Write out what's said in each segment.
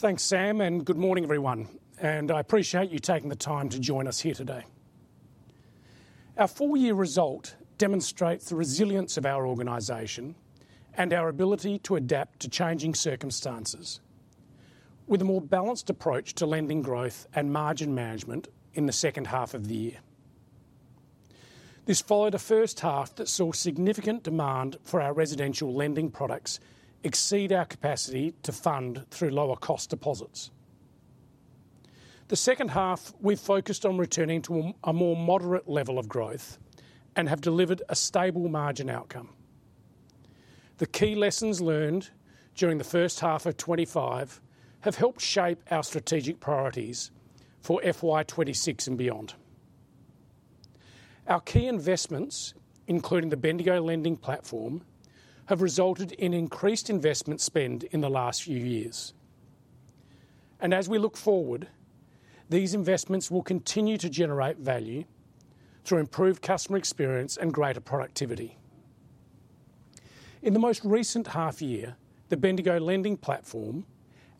Thanks Sam and good morning everyone. I appreciate you taking the time to join us here today. Our full year result demonstrates the resilience of our organization and our ability to adapt to changing circumstances with a more balanced approach to lending growth and margin management in the second half of the year. This followed a first half that saw significant demand for our residential lending products exceed our capacity to fund through lower cost deposits. In the second half, we focused on returning to a more moderate level of growth and have delivered a stable margin outcome. The key lessons learned during 1H25 have helped shape our strategic priorities for FY 2026 and beyond. Our key investments, including the Bendigo Lending Platform, have resulted in increased investment spend in the last few years and as we look forward, these investments will continue to generate value through improved customer experience and greater productivity. In the most recent half year, the Bendigo Lending Platform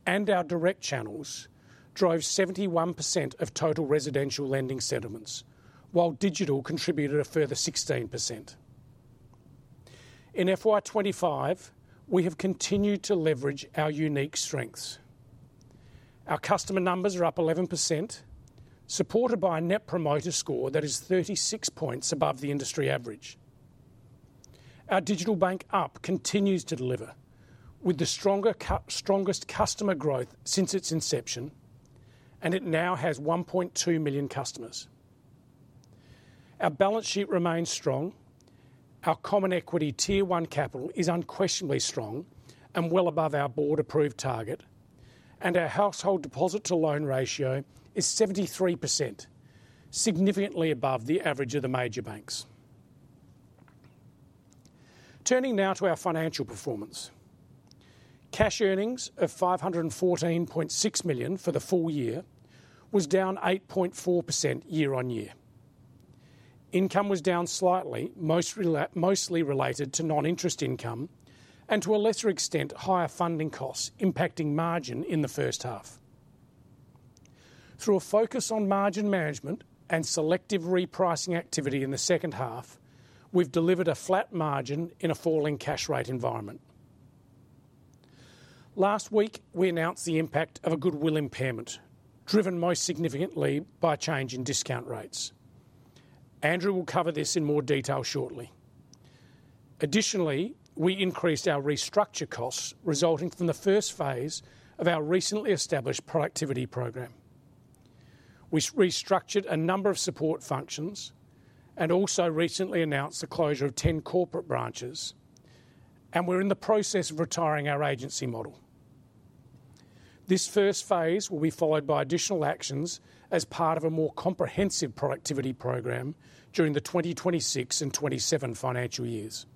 and our direct channels drove 71% of total residential lending settlements, while digital contributed a further 16% in FY 2025. We have continued to leverage our unique strengths. Our customer numbers are up 11% supported by a net promoter score that is 36 points above the industry average. Our digital bank up continues to deliver with the strongest customer growth since its inception and it now has 1.2 million customers. Our balance sheet remains strong, our Common Equity Tier 1 capital is unquestionably strong and well above our board approved target, and our household deposit-to-loan ratio is 73%, significantly above the average of the major banks. Turning now to our financial performance, cash earnings of $514.6 million for the full year was down 8.4% year-on-year. Income was down slightly, mostly related to non-interest income and to a lesser extent higher funding costs impacting margin in the first half. Through a focus on margin management and selective repricing activity in the second half, we've delivered a flat margin in a falling cash rate environment. Last week we announced the impact of a goodwill impairment driven most significantly by a change in discount rates. Andrew will cover this in more detail shortly. Additionally, we increased our restructure costs resulting from the first phase of our recently established productivity program. We restructured a number of support functions and also recently announced the closure of 10 corporate branches, and we're in the process of retiring our agency model. This first phase will be followed by additional actions as part of a more comprehensive productivity program. During the 2026 and 2027 financial years,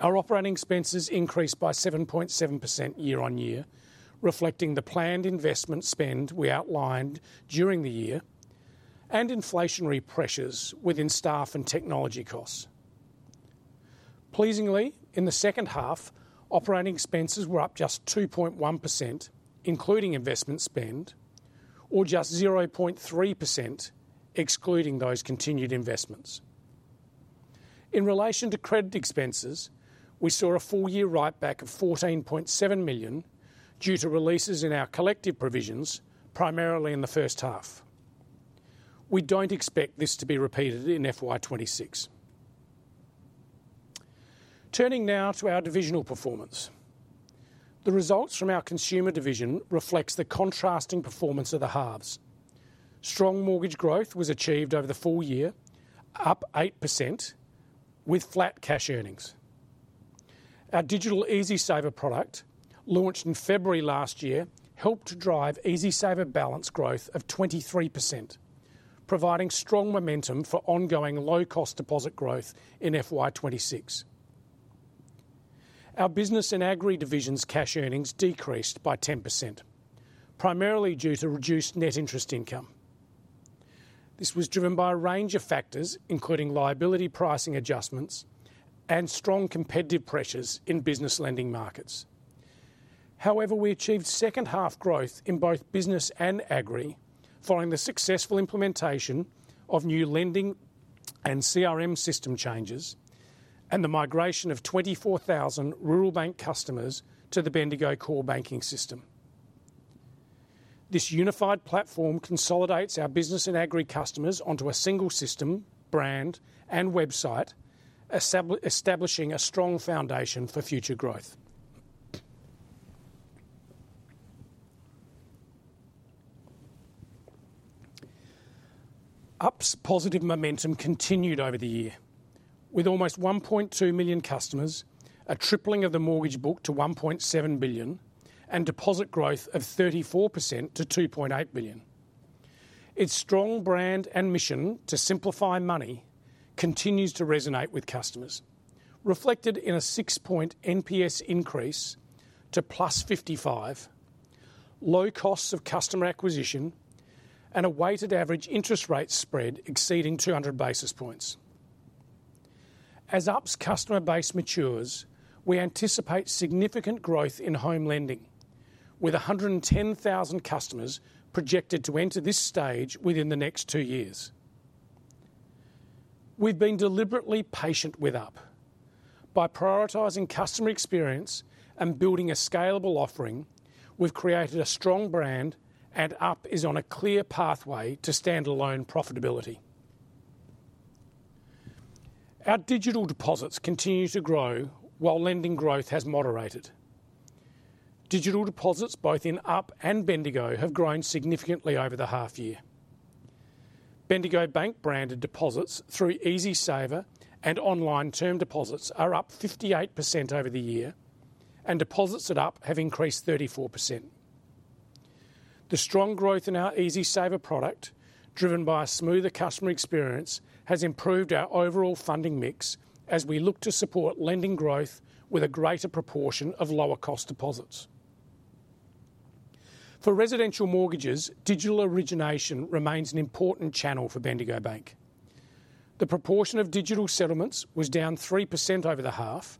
our operating expenses increased by 7.7% year-on -ear, reflecting the planned investment spend we outlined during the year and inflationary pressures within staff and technology costs. Pleasingly, in the second half, operating expenses were up just 2.1% including investment spend, or just 0.3% excluding those continued investments. In relation to credit expenses, we saw a full year write back of $14.7 million due to releases in our collective provisions, primarily in the first half. We don't expect this to be repeated in FY 2026. Turning now to our divisional performance, the results from our consumer division reflect the contrasting performance of the halves. Strong mortgage growth was achieved over the full year, up 8% with flat cash earnings. Our digital EasySaver product launched in February last year helped drive EasySaver balance growth of 23%, providing strong momentum for ongoing low cost deposit growth. In FY 2026, our business and agri division's cash earnings decreased by 10%, primarily due to reduced net interest income. This was driven by a range of factors including liability pricing adjustments and strong competitive pressures in business lending markets. However, we achieved second half growth in both business and agri following the successful implementation of new lending and CRM system changes and the migration of 24,000 rural bank customers to the Bendigo core banking system. This unified platform consolidates our business and agri customers onto a single system, brand, and website, establishing a strong foundation for future growth. Up's positive momentum continued over the year with almost 1.2 million customers, a tripling of the mortgage book to $1.7 billion, and deposit growth of 34% to $2.8 billion. Its strong brand and mission to simplify money continues to resonate with customers, reflected in a 6 point NPS increase to +55, low costs of customer acquisition, and a weighted average interest rate spread exceeding 200 basis points. As Up's customer base matures, we anticipate significant growth in home lending with 110,000 customers projected to enter this stage within the next two years. We've been deliberately patient with Up. By prioritizing customer experience and building a scalable offering, we've created a strong brand and Up is on a clear pathway to standalone profitability. Our digital deposits continue to grow while lending growth has moderated. Digital deposits both in Up and Bendigo have grown significantly over the half year. Bendigo and Adelaide Bank branded deposits through EasySaver and online term deposits are up 58% over the year and deposits at Up have increased 34%. The strong growth in our EasySaver product, driven by a smoother customer experience, has improved our overall funding mix as we look to support lending growth with a greater proportion of lower cost deposits for residential mortgages. Digital origination remains an important channel for Bendigo and Adelaide Bank. The proportion of digital settlements was down 3% over the half,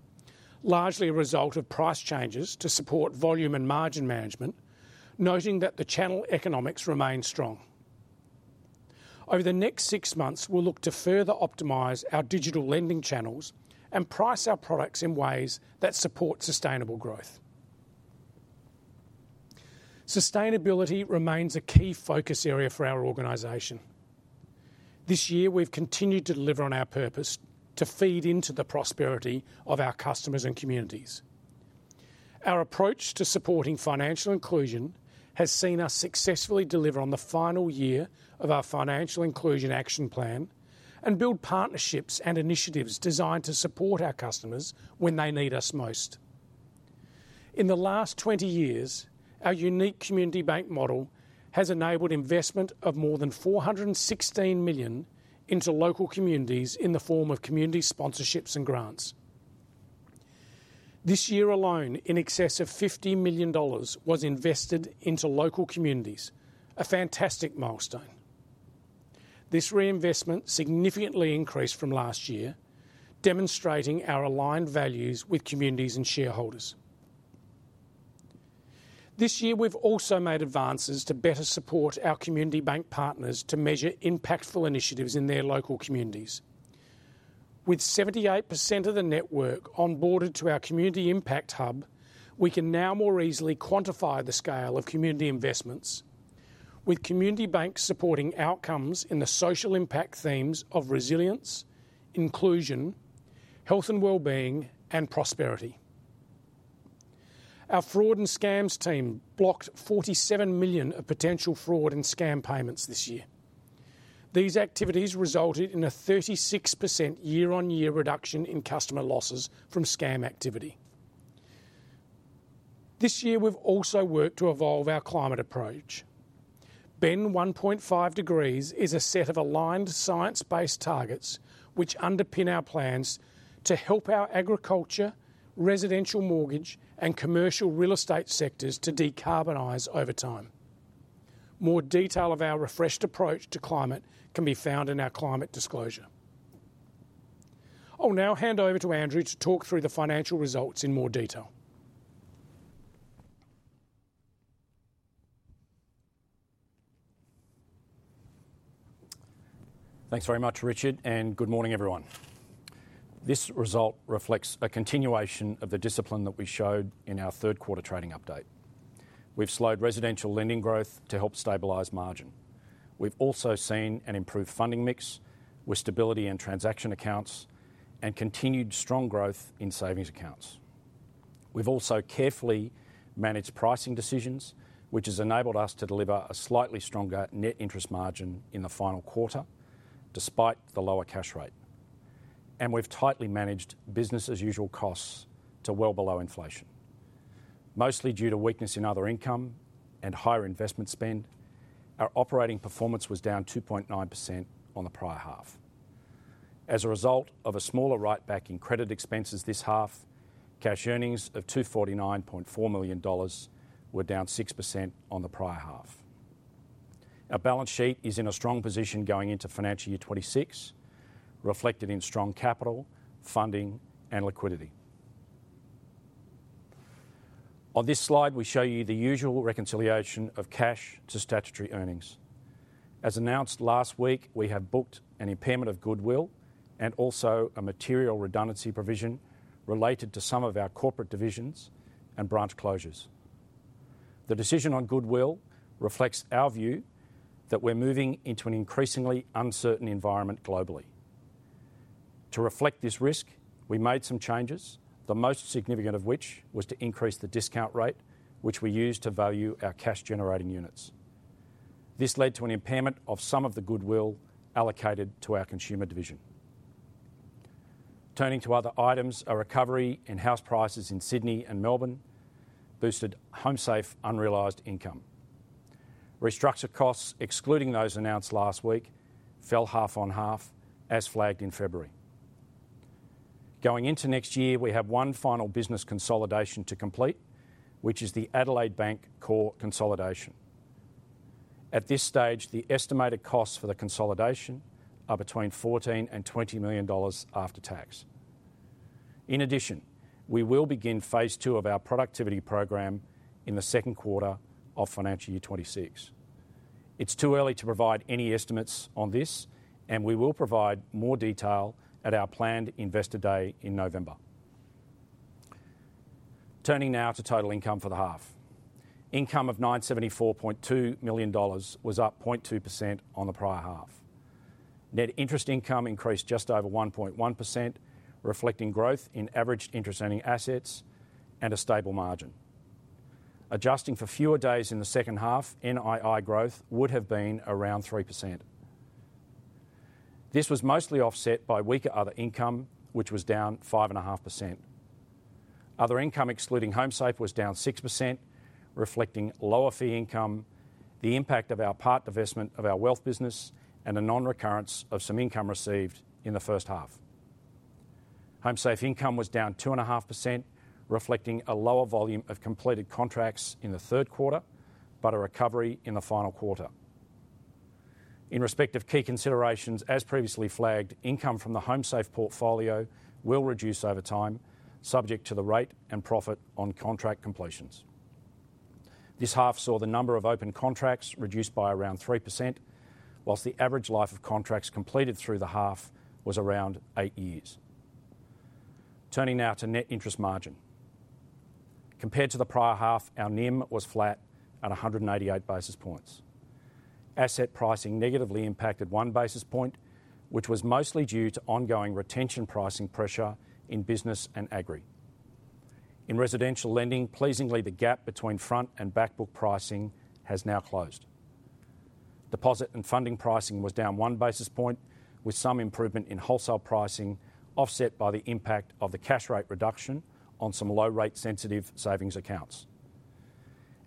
largely a result of price changes to support volume and margin management. Noting that the channel economics remain strong, over the next six months we'll look to further optimize our digital lending channels and price our products in ways that support sustainable growth. Sustainability remains a key focus area for our organization. This year we've continued to deliver on our purpose to feed into the prosperity of our customers and communities. Our approach to supporting financial inclusion has seen us successfully deliver on the final year of our Financial Inclusion Action Plan and build partnerships and initiatives designed to support our customers when they need us most. In the last 20 years, our unique community bank model has enabled investment of more than $416 million into local communities in the form of community sponsorships and grants. This year alone, in excess of $50 million was invested into local communities, a fantastic milestone. This reinvestment significantly increased from last year, demonstrating our aligned values with communities and shareholders. This year we've also made advances to better support our community bank partners to measure impactful initiatives in their local communities. With 78% of the network onboarded to our Community Impact Hub, we can now more easily quantify the scale of community investments with community banks supporting outcomes in the social impact themes of resilience, inclusion, health and wellbeing, and prosperity. Our fraud and scams team blocked $47 million of potential fraud and scam payments this year. These activities resulted in a 36% year-on-year reduction in customer losses from scam activity. This year we've also worked to evolve our climate approach. Ben 1.5 degrees is a set of aligned science-based targets which underpin our plans to help our agriculture, residential mortgage, and commercial real estate sectors to decarbonize over time. More detail of our refreshed approach to climate can be found in our climate disclosure. I'll now hand over to Andrew to talk through the financial results in more detail. Thanks very much, Richard, and good morning everyone. This result reflects a continuation of the discipline that we showed in our third quarter trading update. We've slowed residential lending growth to help stabilize margin. We've also seen an improved funding mix with stability in transaction accounts and continued strong growth in savings accounts. We've also carefully managed pricing decisions, which has enabled us to deliver a slightly stronger net interest margin in the final quarter despite the lower cash rate. We've tightly managed business as usual costs to well below inflation, mostly due to weakness in other income and higher investment spend. Our operating performance was down 2.9% on the prior half. As a result of a smaller write-back in credit expenses, this half cash earnings of $249.4 million were down 6% on the prior half. Our balance sheet is in a strong position going into financial year 2026, reflected in strong capital, funding, and liquidity. On this slide, we show you the usual reconciliation of cash to statutory earnings. As announced last week, we have booked an impairment of goodwill and also a material redundancy provision related to some of our corporate divisions and branch closures. The decision on goodwill reflects our view that we're moving into an increasingly uncertain environment globally. To reflect this risk, we made some changes, the most significant of which was to increase the discount rate which we used to value our cash generating units. This led to an impairment of some of the goodwill allocated to our consumer division. Turning to other items, a recovery in house prices in Sydney and Melbourne boosted Home Safe unrealized income. Restructured costs, excluding those announced last week, fell half on half as flagged in February. Going into next year, we have one final business consolidation to complete, which is the Adelaide Bank core consolidation. At this stage, the estimated costs for the consolidation are between $14 million and $20 million after tax. In addition, we will begin phase II of our productivity program in the second quarter of financial year 2026. It's too early to provide any estimates on this, and we will provide more detail at our planned investor day in November. Turning now to total income for the half, income of $974.2 million was up 0.2% on the prior half. Net interest income increased just over 1.1%, reflecting growth in average interest earning assets and a stable margin. Adjusting for fewer days in the second half, NII growth would have been around 3%. This was mostly offset by weaker other income, which was down 5.5%. Other income excluding Homesafe was down 6%, reflecting lower fee income, the impact of our part divestment of our wealth business, and a non-recurrence of some income received. In the first half, Homesafe income was down 2.5%, reflecting a lower volume of completed contracts in the third quarter but a recovery in the final quarter. In respect of key considerations, as previously flagged, income from the Homesafe portfolio will reduce over time subject to the rate and profit on contract completions. This half saw the number of open contracts reduced by around 3%, while the average life of contracts completed through the half was around eight years. Turning now to net interest margin, compared to the prior half, our NIM was flat at 188 basis points. Asset pricing negatively impacted 1 basis point, which was mostly due to ongoing retention pricing pressure in business and agribusiness lending and in residential lending. Pleasingly, the gap between front and back book pricing has now closed. Deposit and funding pricing was down 1 basis point, with some improvement in wholesale pricing offset by the impact of the cash rate reduction on some low rate sensitive savings accounts.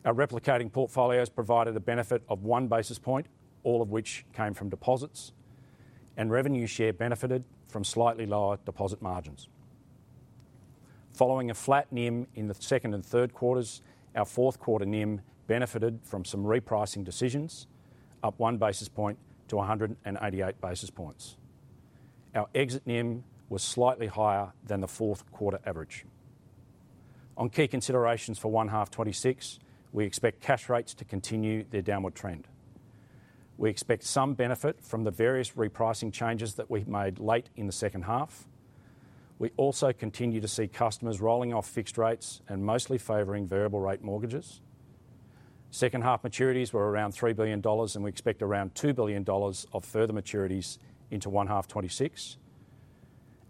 Our replicating portfolios provided a benefit of 1 basis point, all of which came from deposits, and revenue share benefited from slightly lower deposit margins. Following a flat NIM in the second and third quarters, our fourth quarter NIM benefited from some repricing decisions, up 1 basis point to 188 basis points. Our exit NIM was slightly higher than the fourth quarter average. On key considerations for 1H26, we expect cash rates to continue their downward trend. We expect some benefit from the various repricing changes that we made late in the second half. We also continue to see customers rolling off fixed rates and mostly favoring variable rate mortgages. Second half maturities were around $3 billion, and we expect around $2 billion of further maturities into one half 2026,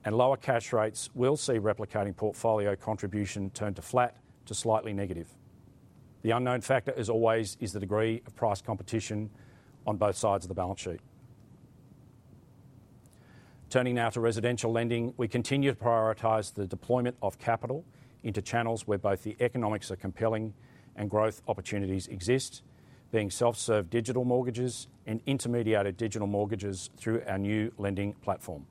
and lower cash rates will see replicating portfolio contribution turn to flat to slightly negative. The unknown factor, as always, is the degree of price competition on both sides of the balance sheet. Turning now to residential lending, we continue to prioritize the deployment of capital into channels where both the economics are compelling and growth opportunities exist, being self-serve digital mortgages and intermediated digital mortgages through our new lending platform.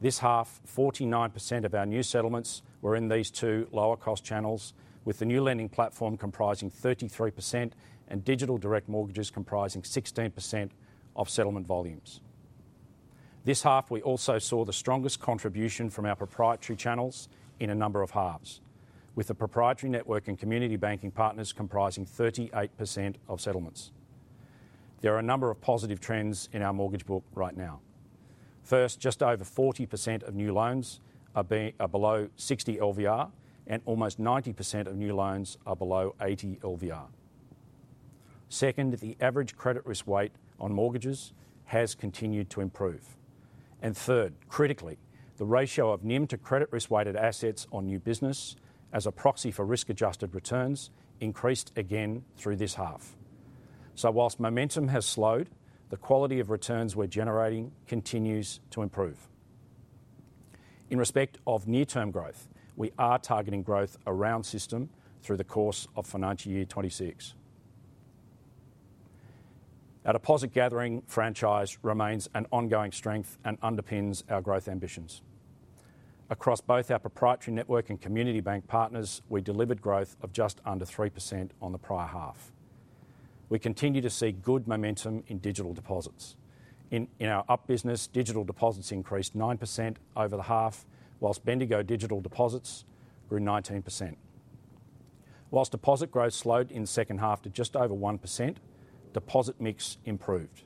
This half, 49% of our new settlements were in these two lower cost channels, with the new lending platform comprising 33% and digital direct mortgages comprising 16% of settlement volumes. This half, we also saw the strongest contribution from our proprietary channels in a number of halves, with the proprietary network and community banking partners comprising 38% of settlements. There are a number of positive trends in our mortgage book right now. First, just over 40% of new loans are below 60% LVR and almost 90% of new loans are below 80% LVR. Second, the average credit risk weight on mortgages has continued to improve, and third, critically, the ratio of NIM to credit risk weighted assets on new business as a proxy for risk-adjusted returns increased again through this half. Whilst momentum has slowed, the quality of returns we're generating continues to improve. In respect of near-term growth, we are targeting growth around system through the course of financial year 2026. Our deposit gathering franchise remains an ongoing strength and underpins our growth ambitions. Across both our proprietary network and community bank partners, we delivered growth of just under 3% on the prior half. We continue to see good momentum in digital deposits. In our Up business, digital deposits increased 9% over the half, whilst Bendigo digital deposits grew 19%. Whilst deposit growth slowed in the second half to just over 1%, deposit mix improved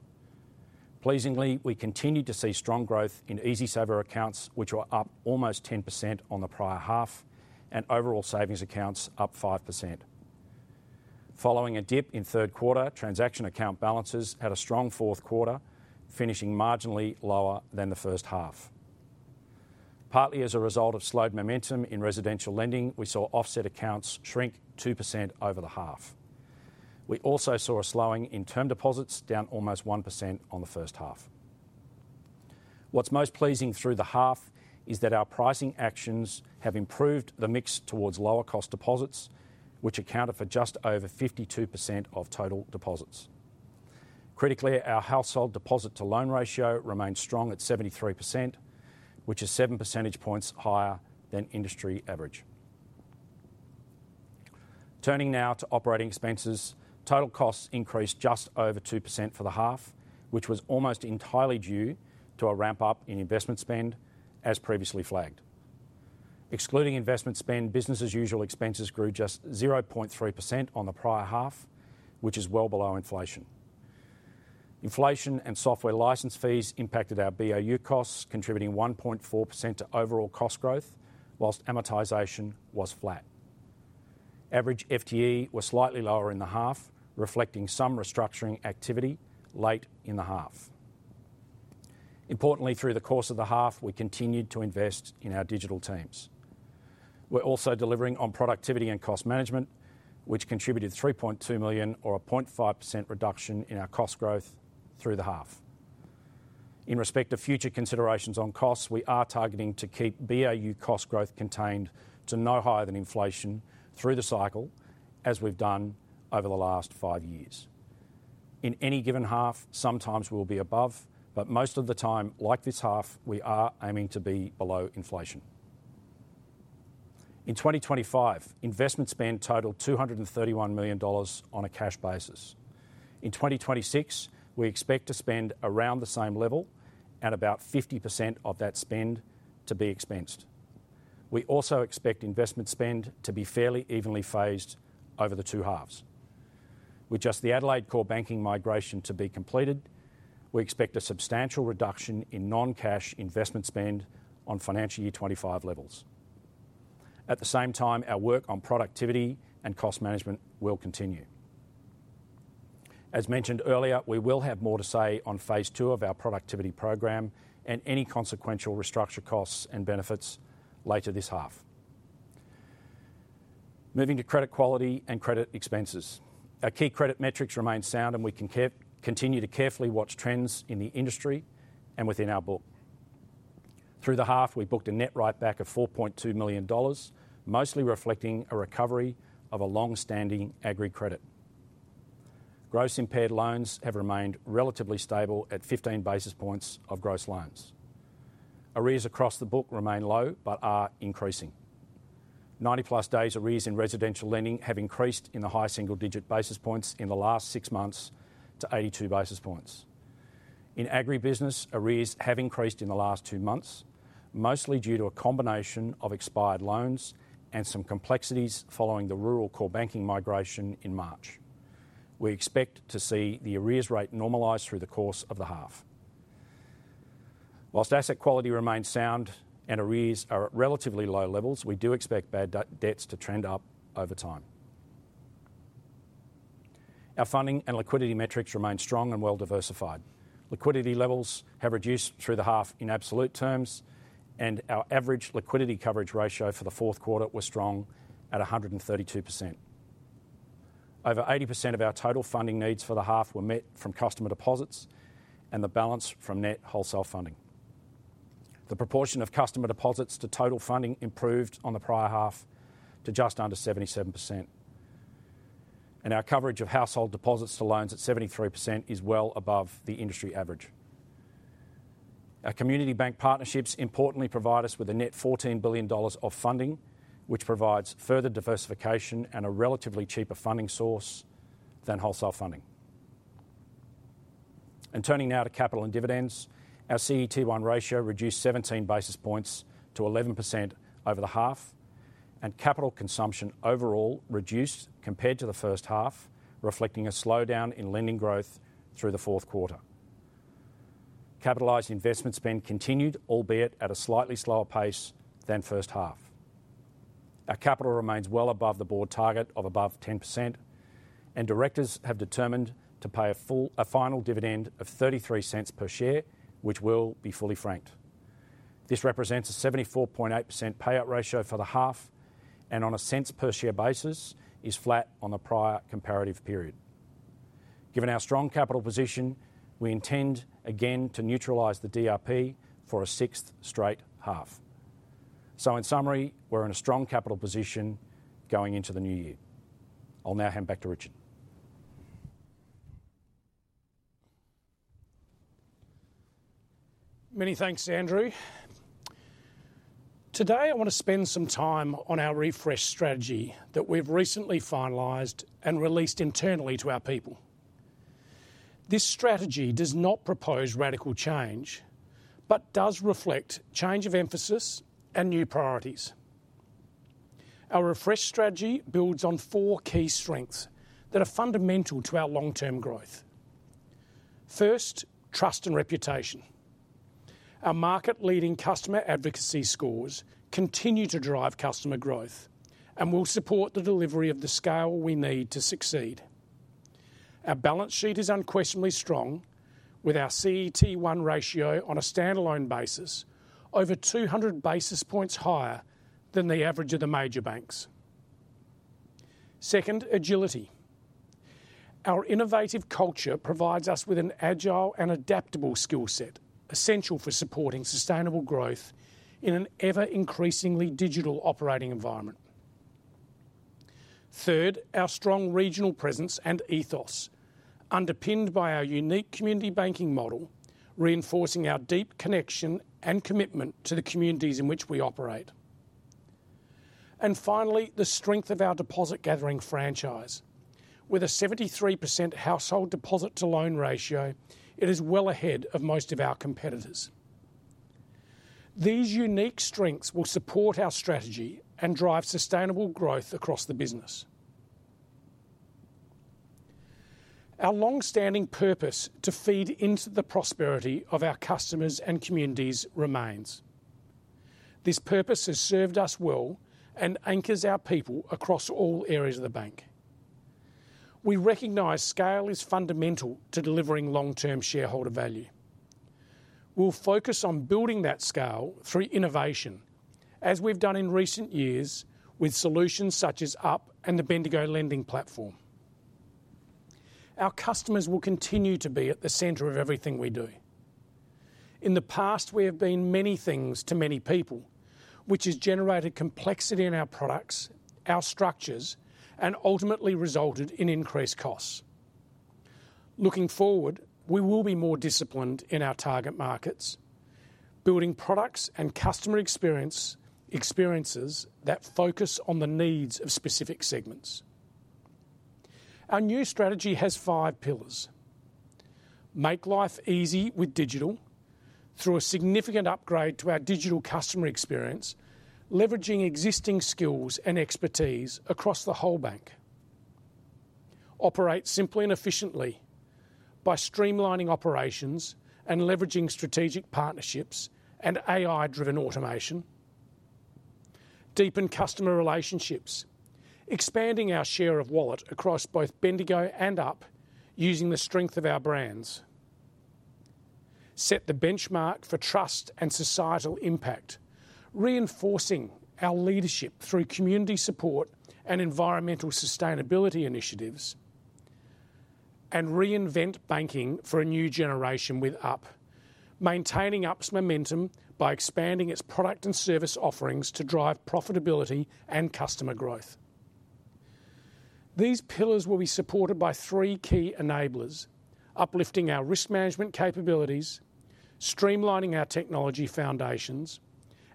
pleasingly. We continued to see strong growth in EasySaver accounts, which were up almost 10% on the prior half, and overall savings accounts up 5% following a dip in third quarter transaction. Account balances had a strong fourth quarter, finishing marginally lower than the first half. Partly as a result of slowed momentum in residential lending, we saw offset accounts shrink 2% over the half. We also saw a slowing in term deposits, down almost 1% on the first half. What's most pleasing through the half is that our pricing actions have improved the mix towards lower cost deposits, which accounted for just over 52% of total deposits. Critically, our household deposit-to-loan ratio remains strong at 73%, which is 7 percentage points higher than industry average. Turning now to operating expenses, total costs increased just over 2% for the half, which was almost entirely due to a ramp up in investment spend as previously flagged. Excluding investment spend, business as usual expenses grew just 0.3% on the prior half, which is well below inflation. Inflation and software license fees impacted our BAU costs, contributing 1.4% to overall cost growth, whilst amortization was flat. Average FTE was slightly lower in the half, reflecting some restructuring activity late in the half. Importantly, through the course of the half, we continued to invest in our digital teams. We're also delivering on productivity and cost management, which contributed $3.2 million, or a 0.5% reduction in our cost growth through the half. In respect to future considerations on costs, we are targeting to keep BAU cost growth contained to no higher than inflation through the cycle, as we've done over the last five years. In any given half, sometimes we'll be above, but most of the time, like this half, we are aiming to be below inflation. In 2025, investment spend totaled $231 million on a cash basis. In 2026, we expect to spend around the same level and about 50% of that spend to be expensed. We also expect investment spend to be fairly evenly phased over the two halves. With just the Adelaide core banking migration to be completed, we expect a substantial reduction in non-cash investment spend on FY 2025 levels. At the same time, our work on productivity and cost management will continue. As mentioned earlier, we will have more to say on phase two of our productivity program and any consequential restructure costs and benefits later this half. Moving to credit quality and credit expenses, our key credit metrics remain sound, and we continue to carefully watch trends in the industry and within our book. Through the half, we booked a net write back of $4.2 million, mostly reflecting a recovery of a long-standing agri credit. Gross impaired loans have remained relatively stable at 15 basis points of gross loans. Arrears across the book remain low but are increasing. Ninety plus days arrears in residential lending have increased in the high single digit basis points in the last six months to 82 basis points. In agribusiness arrears have increased in the last two months, mostly due to a combination of expired loans and some complexities. Following the rural bank core banking migration in March, we expect to see the arrears rate normalize through the course of the half. Whilst asset quality remains sound and arrears are at relatively low levels, we do expect bad debts to trend up over time. Our funding and liquidity metrics remain strong and well diversified. Liquidity levels have reduced through the half in absolute terms, and our average liquidity coverage ratio for the fourth quarter was strong at 132%. Over 80% of our total funding needs for the half were met from customer deposits and the balance from net wholesale funding. The proportion of customer deposits to total funding improved on the prior half to just under 77%, and our coverage of household deposits to loans at 73% is well above the industry average. Our community bank partnerships importantly provide us with a net $14 billion of funding, which provides further diversification and a relatively cheaper funding source than wholesale funding. Turning now to capital and dividends, our CET1 ratio reduced 17 basis points to 11% over the half, and capital consumption overall reduced compared to the first half, reflecting a slowdown in lending growth through the fourth quarter. Capitalized investment spend continued, albeit at a slightly slower pace than first half. Our capital remains well above the board target of above 10%, and directors have determined to pay a final dividend of $0.33 per share, which will be fully franked. This represents a 74.8% payout ratio for the half and on a cents per share basis is flat on the prior comparative period. Given our strong capital position, we intend again to neutralize the DRP for a sixth straight half. In summary, we're in a strong capital position going into the new year. I'll now hand back to Richard. Many thanks Andrew. Today I want to spend some time on our refresh strategy that we've recently finalised and released internally to our people. This strategy does not propose radical change but does reflect change of emphasis and new priorities. Our refresh strategy builds on four key strengths that are fundamental to our long term growth. First, trust and reputation. Our market leading customer advocacy scores continue to drive customer growth and will support the delivery of the scale we need to succeed. Our balance sheet is unquestionably strong with our CET1 ratio on a standalone basis over 200 basis points higher than the average of the major banks. Second, agility. Our innovative culture provides us with an agile and adaptable skill set essential for supporting sustainable growth in an ever increasingly digital operating environment. Third, our strong regional presence and ethos underpinned by our unique community banking model, reinforcing our deep connection and commitment to the communities in which we operate. Finally, the strength of our deposit gathering franchise. With a 73% household deposit-to-loan ratio, it is well ahead of most of our competitors. These unique strengths will support our strategy and drive sustainable growth across the business. Our long standing purpose to feed into the prosperity of our customers and communities remains. This purpose has served us well and anchors our people across all areas of the bank. We recognise scale is fundamental to delivering long term shareholder value. We'll focus on building that scale through innovation as we've done in recent years with solutions such as Up and the Bendigo Lending Platform. Our customers will continue to be at the centre of everything we do. In the past we have been many things to many people which has generated complexity in our products, our structures and ultimately resulted in increased costs. Looking forward, we will be more disciplined in our target markets, building products and customer experiences that focus on the needs of specific segments. Our new strategy has five make life easy with digital through a significant upgrade to our digital customer experience, leveraging existing skills and expertise across the whole bank, operate simply and efficiently by streamlining operations and leveraging strategic partnerships and AI-driven automation. Deepen customer relationships, expanding our share of wallet across both Bendigo and Up using the strength of our brands. Set the benchmark for trust and societal impact, reinforcing our leadership through community support and environmental sustainability initiatives, and reinvent banking for a new generation with Up, maintaining Up's momentum by expanding its product and service offerings to drive profitability and customer growth. These pillars will be supported by three key enablers: uplifting our risk management capabilities, streamlining our technology foundations,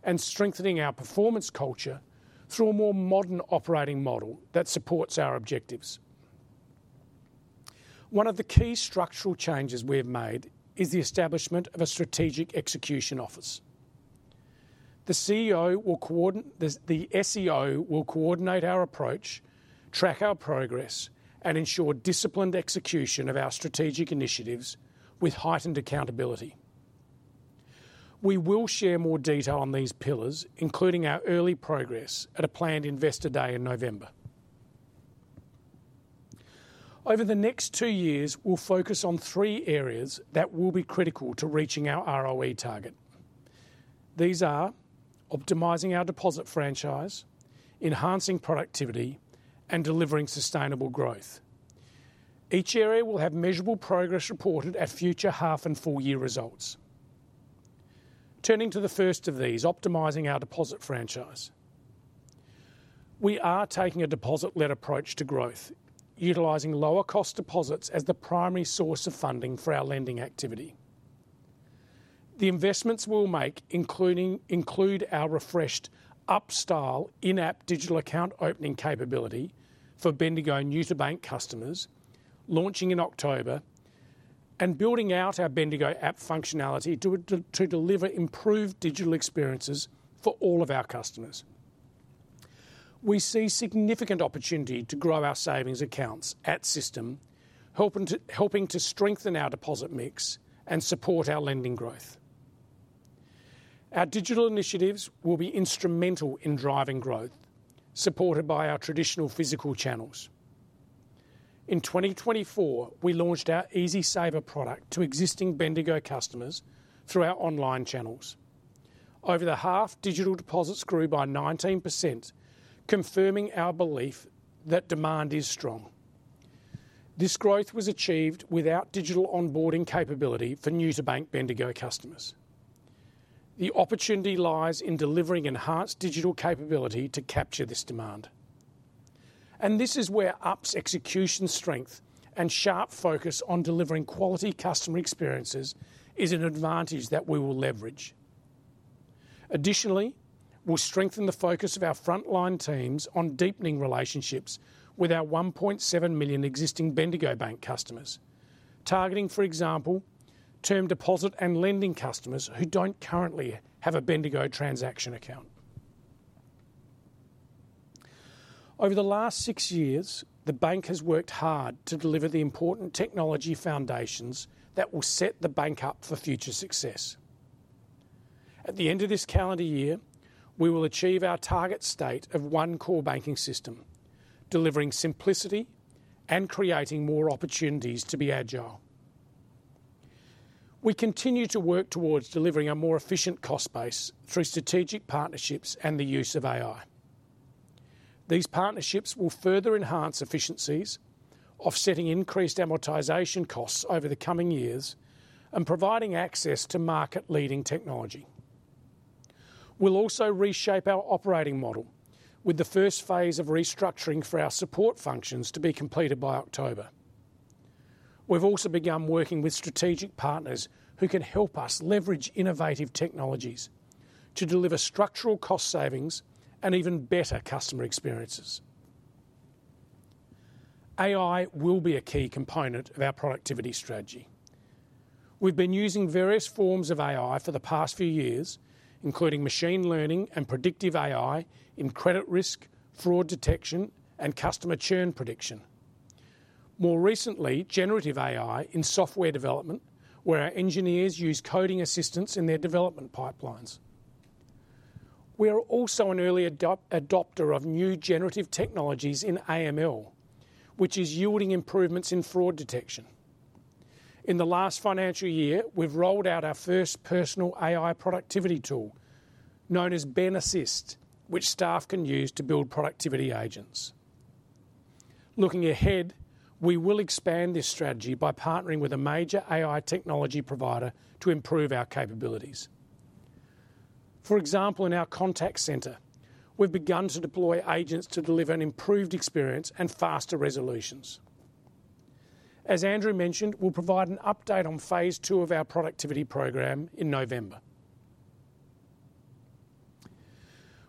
and strengthening our performance culture through a more modern operating model that supports our objectives. One of the key structural changes we have made is the establishment of a Strategic Execution Office. The SEO will coordinate our approach, track our progress, and ensure disciplined execution of our strategic initiatives with heightened accountability. We will share more detail on these pillars, including our early progress, at a planned investor day in November. Over the next two years, we'll focus on three areas that will be critical to reaching our ROE target. These are optimizing our deposit franchise, enhancing productivity, and delivering sustainable growth. Each area will have measurable progress reported at future half and full year results. Turning to the first of these, optimizing our deposit franchise, we are taking a deposit-led approach to growth, utilizing lower cost deposits as the primary source of funding for our lending activity. The investments we will make include our refreshed Up style in-app digital account opening capability for Bendigo new-to-bank customers launching in October and building out our Bendigo app functionality to deliver improved digital experiences for all of our customers. We see significant opportunity to grow our savings accounts at system, helping to strengthen our deposit mix and support our lending growth. Our digital initiatives will be instrumental in driving growth, supported by our traditional physical channels. In 2024, we launched our EasySaver product to existing Bendigo customers through our online channels. Over the half, digital deposits grew by 19%, confirming our belief that demand is strong. This growth was achieved without digital onboarding capability for new-to-bank Bendigo customers. The opportunity lies in delivering enhanced digital capability to capture this demand, and this is where Up's execution strength and sharp focus on delivering quality customer experiences is an advantage that we will leverage. Additionally, we'll strengthen the focus of our frontline teams on deepening relationships with our 1.7 million existing Bendigo and Adelaide Bank customers, targeting, for example, term deposit and lending customers who don't currently have a Bendigo transaction account. Over the last six years, the bank has worked hard to deliver the important technology foundations that will set the bank up for future success. At the end of this calendar year, we will achieve our target state of one core banking system, delivering simplicity and creating more opportunities to be agile. We continue to work towards delivering a more efficient cost base through strategic partnerships and the use of AI. These partnerships will further enhance efficiencies, offsetting increased amortization costs over the coming years and providing access to market-leading technology. We'll also reshape our operating model, with the first phase of restructuring for our support functions to be completed by October. We've also begun working with strategic partners who can help us leverage innovative technologies to deliver structural cost savings and even better customer experiences. AI will be a key component of our productivity strategy. We've been using various forms of AI for the past few years, including machine learning and predictive AI in credit risk, fraud detection, and customer churn prediction. More recently, generative AI in software development, where our engineers use coding assistance in their development pipelines. We are also an early adopter of new generative technologies in AML, which is yielding improvements in fraud detection. In the last financial year, we've rolled out our first personal AI productivity tool known as BEN Assist, which staff can use to build productivity agents. Looking ahead, we will expand this strategy by partnering with a major AI technology provider to improve our capabilities. For example, in our contact center, we've begun to deploy agents to deliver an improved experience and faster resolutions. As Andrew Morgan mentioned, we'll provide an update on phase II of our productivity program in November.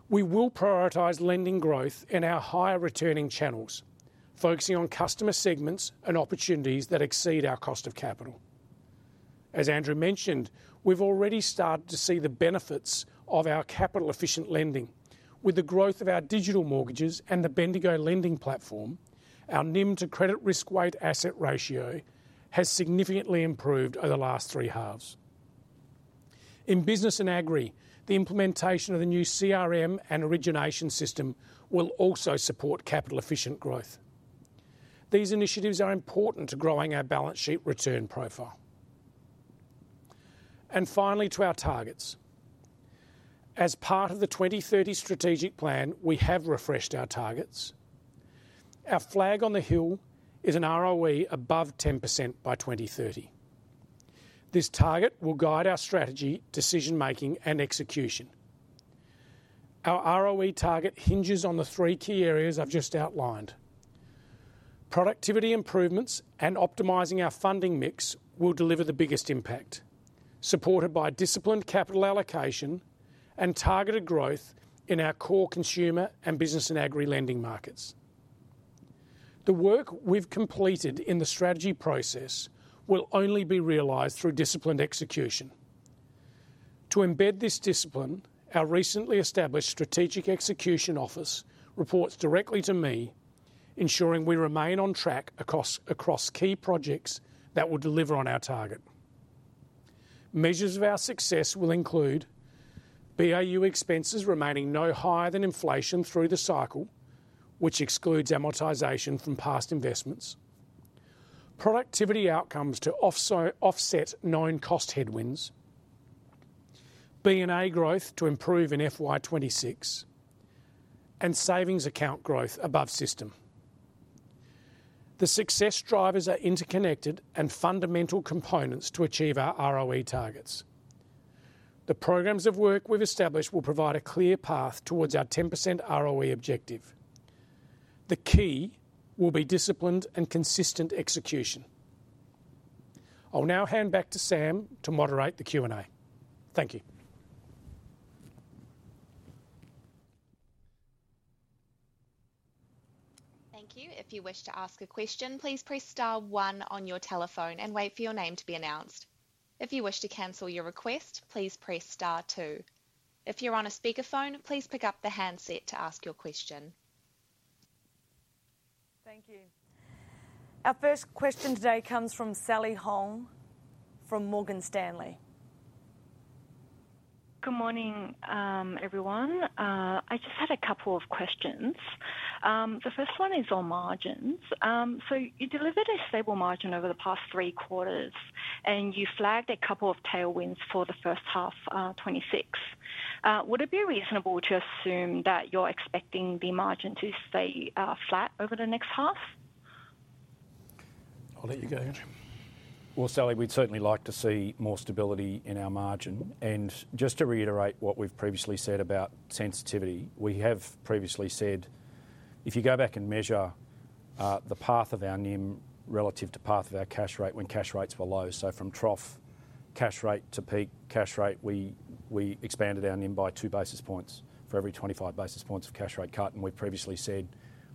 We will prioritize lending growth in our higher returning channels, focusing on customer segments and opportunities that exceed our cost of capital. As Andrew mentioned, we've already started to see the benefits of our capital efficient lending with the growth of our digital mortgages and the Bendigo Lending Platform. Our NIM to credit risk weight asset ratio has significantly improved over the last three halves in business and agri. The implementation of the new CRM and origination system will also support capital efficient growth. These initiatives are important to growing our balance sheet return profile and finally to our targets. As part of the 2030 strategic plan, we have refreshed our targets. Our flag on the hill is an ROE above 10% by 2030. This target will guide our strategy, decision making, and execution. Our ROE target hinges on the three key areas I've just outlined. Productivity improvements and optimizing our funding mix will deliver the biggest impact, supported by disciplined capital allocation and targeted growth in our core consumer and business and agri lending markets. The work we've completed in the strategy process will only be realized through disciplined execution. To embed this discipline, our recently established Strategic Execution Office reports directly to me, ensuring we remain on track across key projects that will deliver on our target. Measures of our success will include BAU expenses remaining no higher than inflation through the cycle, which excludes amortization from past investments, productivity outcomes to offset known cost headwinds, B&A growth to improve in FY 2026, and savings account growth above system. The success drivers are interconnected and fundamental components to achieve our ROE targets. The programs of work we've established will provide a clear path towards our 10% ROE objective. The key will be disciplined and consistent execution. I'll now hand back to Sam to moderate the Q&A. Thank you. Thank you. If you wish to ask a question, please press Star, one on your telephone and wait for your name to be announced. If you wish to cancel your request, please press Star, two. If you're on a speakerphone, please pick up the handset to ask your question. Thank you. Our first question today comes from Sally Hong from Morgan Stanley. Good morning, everyone. I just had a couple of questions. The first one is on margins. You delivered a stable margin over the past three quarters, and you flagged a couple of tailwinds for the first half of 2026. Would it be reasonable to assume that you're expecting the margin to stay flat over the next half? I'll let you go, Sally, we'd certainly like to see more stability in our margin. Just to reiterate what we've previously said about sensitivity, we have previously said if you go back and measure the path of our NIM relative to the path of our cash rate when cash rates were low, from trough cash rate to peak cash rate, we expanded our NIM by two basis points for every 25 basis points of cash rate cut. We previously said,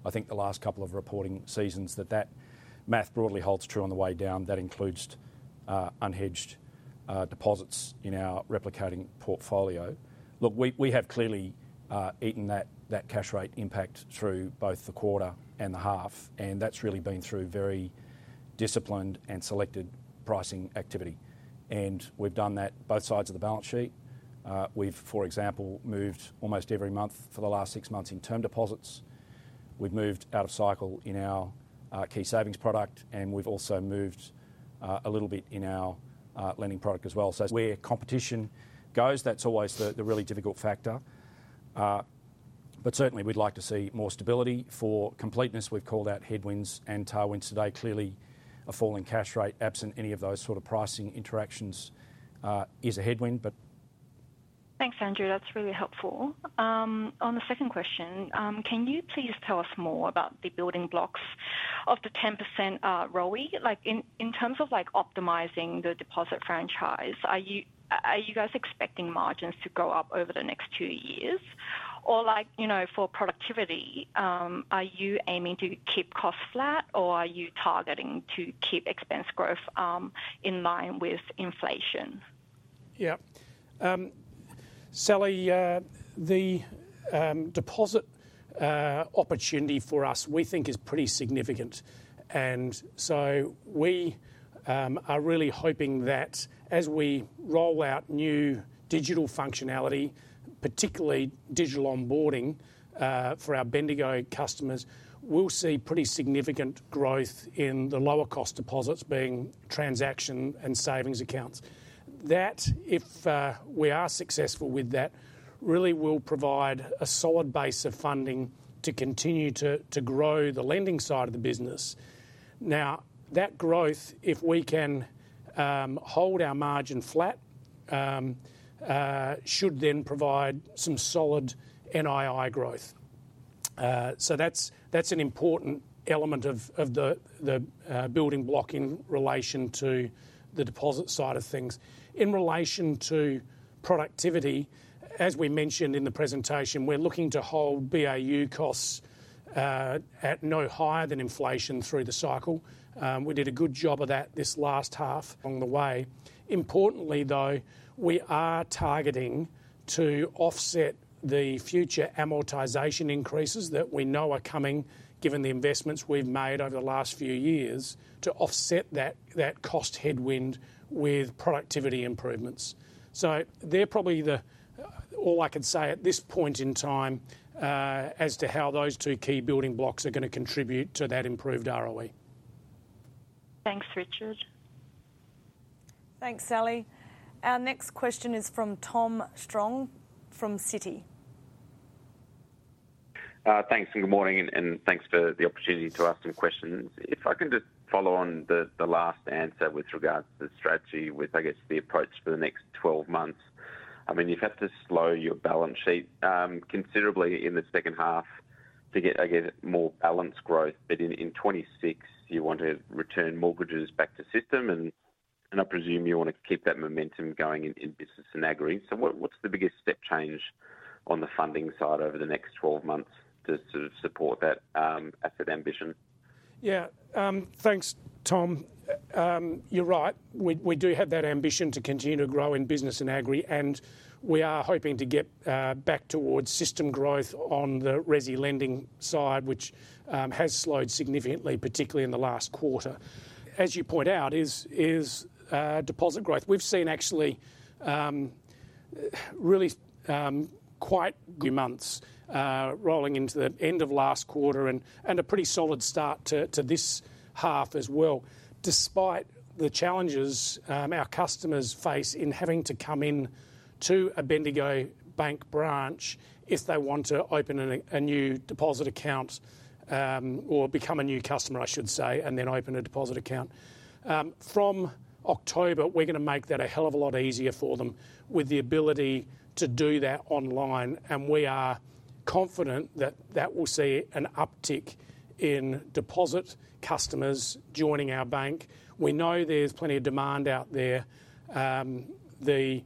I think the last couple of reporting seasons, that that math broadly holds true on the way down. That includes unhedged deposits in our replicating portfolio. We have clearly eaten that cash rate impact through both the quarter and the half, and that's really been through very disciplined and selected pricing activity. We've done that both sides of the balance sheet. For example, we've moved almost every month for the last six months in term deposits, we've moved out of cycle in our key savings product, and we've also moved a little bit in our lending product as well. Where competition goes, that's always the really difficult factor. Certainly we'd like to see more stability. For completeness, we've called out headwinds and tailwinds today. Clearly a falling cash rate, absent any of those sorts of pricing interactions, is a headwind. Thanks, Andrew, that's really helpful. On the second question, can you please tell us more about the building blocks of the 10% ROE? Like in terms of optimizing the deposit franchise, are you guys expecting margins to go up over the next two years or for productivity, are you aiming to keep costs flat or are you targeting to keep expense growth in line with inflation? Yeah, Sally, the deposit opportunity for us we think is pretty significant. We are really hoping that as we roll out new digital functionality, particularly digital onboarding for our Bendigo customers, we'll see pretty significant growth in the lower cost deposits being transaction and savings accounts. If we are successful with that, it really will provide a solid base of funding to continue to grow the lending side of the business. Now that growth, if we can hold our margin flat, should then provide some solid NII growth. That's an important element of the building block in relation to the deposit side of things. In relation to productivity, as we mentioned in the presentation, we're looking to hold BAU costs at no higher than inflation through the cycle. We did a good job of that this last half along the way. Importantly, we are targeting to offset the future amortization increases that we know are coming, given the investments we've made over the last few years, to offset that cost headwind with productivity improvements. They're probably all I can say at this point in time as to how those two key building blocks are going to contribute to that improved ROE. Thanks Richard. Thanks, Sally. Our next question is from Tom Strong from Citi. Thanks and good morning, and thanks for the opportunity to ask some questions. If I can just follow on the last answer with regards to the strategy with, I guess, the approach for the next 12 months. I mean, you have to slow your balance sheet considerably in the second half to get more balanced growth, but in 2026 you want to return mortgages back to system, and I presume you want to keep that momentum going in business and agribusiness lending. What's the biggest step change on the funding side over the next 12 months to sort of support that asset ambition? Yeah, thanks Tom. You're right, we do have that ambition to continue to grow in business in agri, and we are hoping to get back towards system growth on the residential lending side, which has slowed significantly, particularly in the last quarter as you point out, is deposit growth. We've seen actually really quite new months rolling into the end of last quarter and a pretty solid start to this half as well. Despite the challenges our customers face in having to come in to a Bendigo and Adelaide Bank branch if they want to open a new deposit account or become a new customer, I should say, and then open a deposit account from October. We're going to make that a hell of a lot easier for them with the ability to do that online. We are confident that will see an uptick in deposit customers joining our bank. We know there's plenty of demand out there. The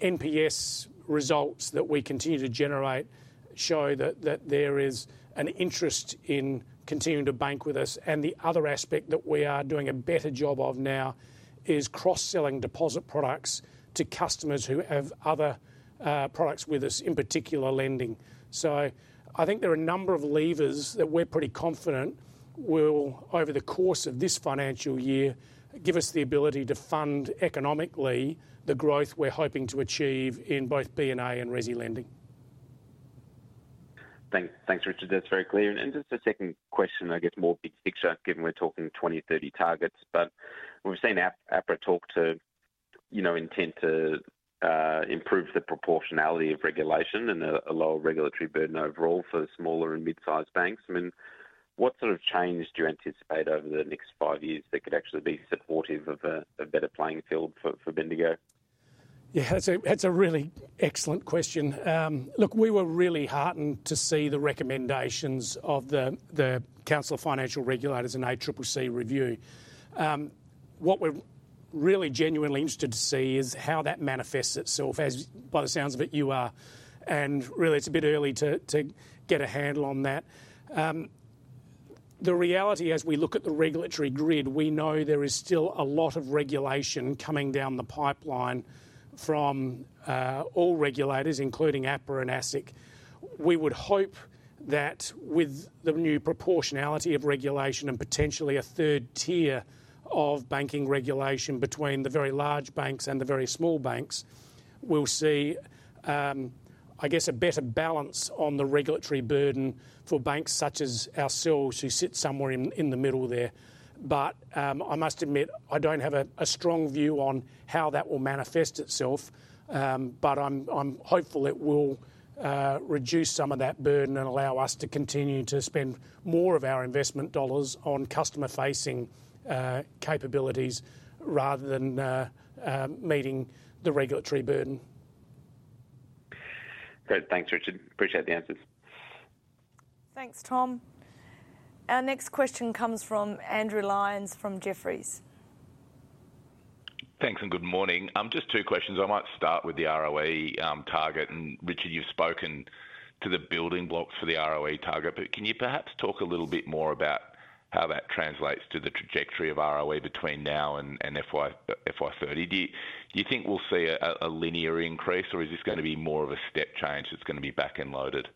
NPS results that we continue to generate show that there is an interest in continuing to bank with us. The other aspect that we are doing a better job of now is cross selling deposit products to customers who have other products with us, in particular lending. I think there are a number of levers that we're pretty confident will over the course of this financial year give us the ability to fund economically the growth we're hoping to achieve in both business and agribusiness lending and residential lending. Thanks, Richard, that's very clear. Just a second question, I guess more big picture given we're talking 2030 targets, but we've seen APRA talk to intent to improve the proportionality of regulation and a lower regulatory burden overall for smaller and mid sized banks. What sort of change do you anticipate over the next five years that could actually be supportive of a better playing field for Bendigo? Yeah, that's a really excellent question. Look, we were really heartened to see the recommendations of the Council of Financial Regulators in ACCC review. What we're really genuinely interested to see is how that manifests itself as by the sounds of it, you are. It's a bit early to get a handle on that. The reality, as we look at the regulatory grid, we know there is still a lot of regulation coming down the pipeline from all regulators, including APRA and ASIC. We would hope that with the new proportionality of regulation and potentially a third tier of banking regulation between the very large banks and the very small banks, we'll see, I guess, a better balance on the regulatory burden for banks such as ourselves who sit somewhere in the middle there. I must admit I don't have a strong view on how that will manifest itself, but I'm hopeful it will reduce some of that burden and allow us to continue to spend more of our investment dollars on customer-facing capabilities rather than meeting the regulatory burden. Great. Thanks, Richard. Appreciate the answers. Thanks, Tom. Our next question comes from Andrew Lyons from Jefferies. Thanks and good morning. Just two questions. I might start with the ROE target and Richard, you've spoken to the building blocks for the ROE target, but can you perhaps talk a little bit more about how that translates to the trajectory of ROE between now and FY 2030? Do you think we'll see a linear increase or is this going to be more of a step change that's going to be back end loaded?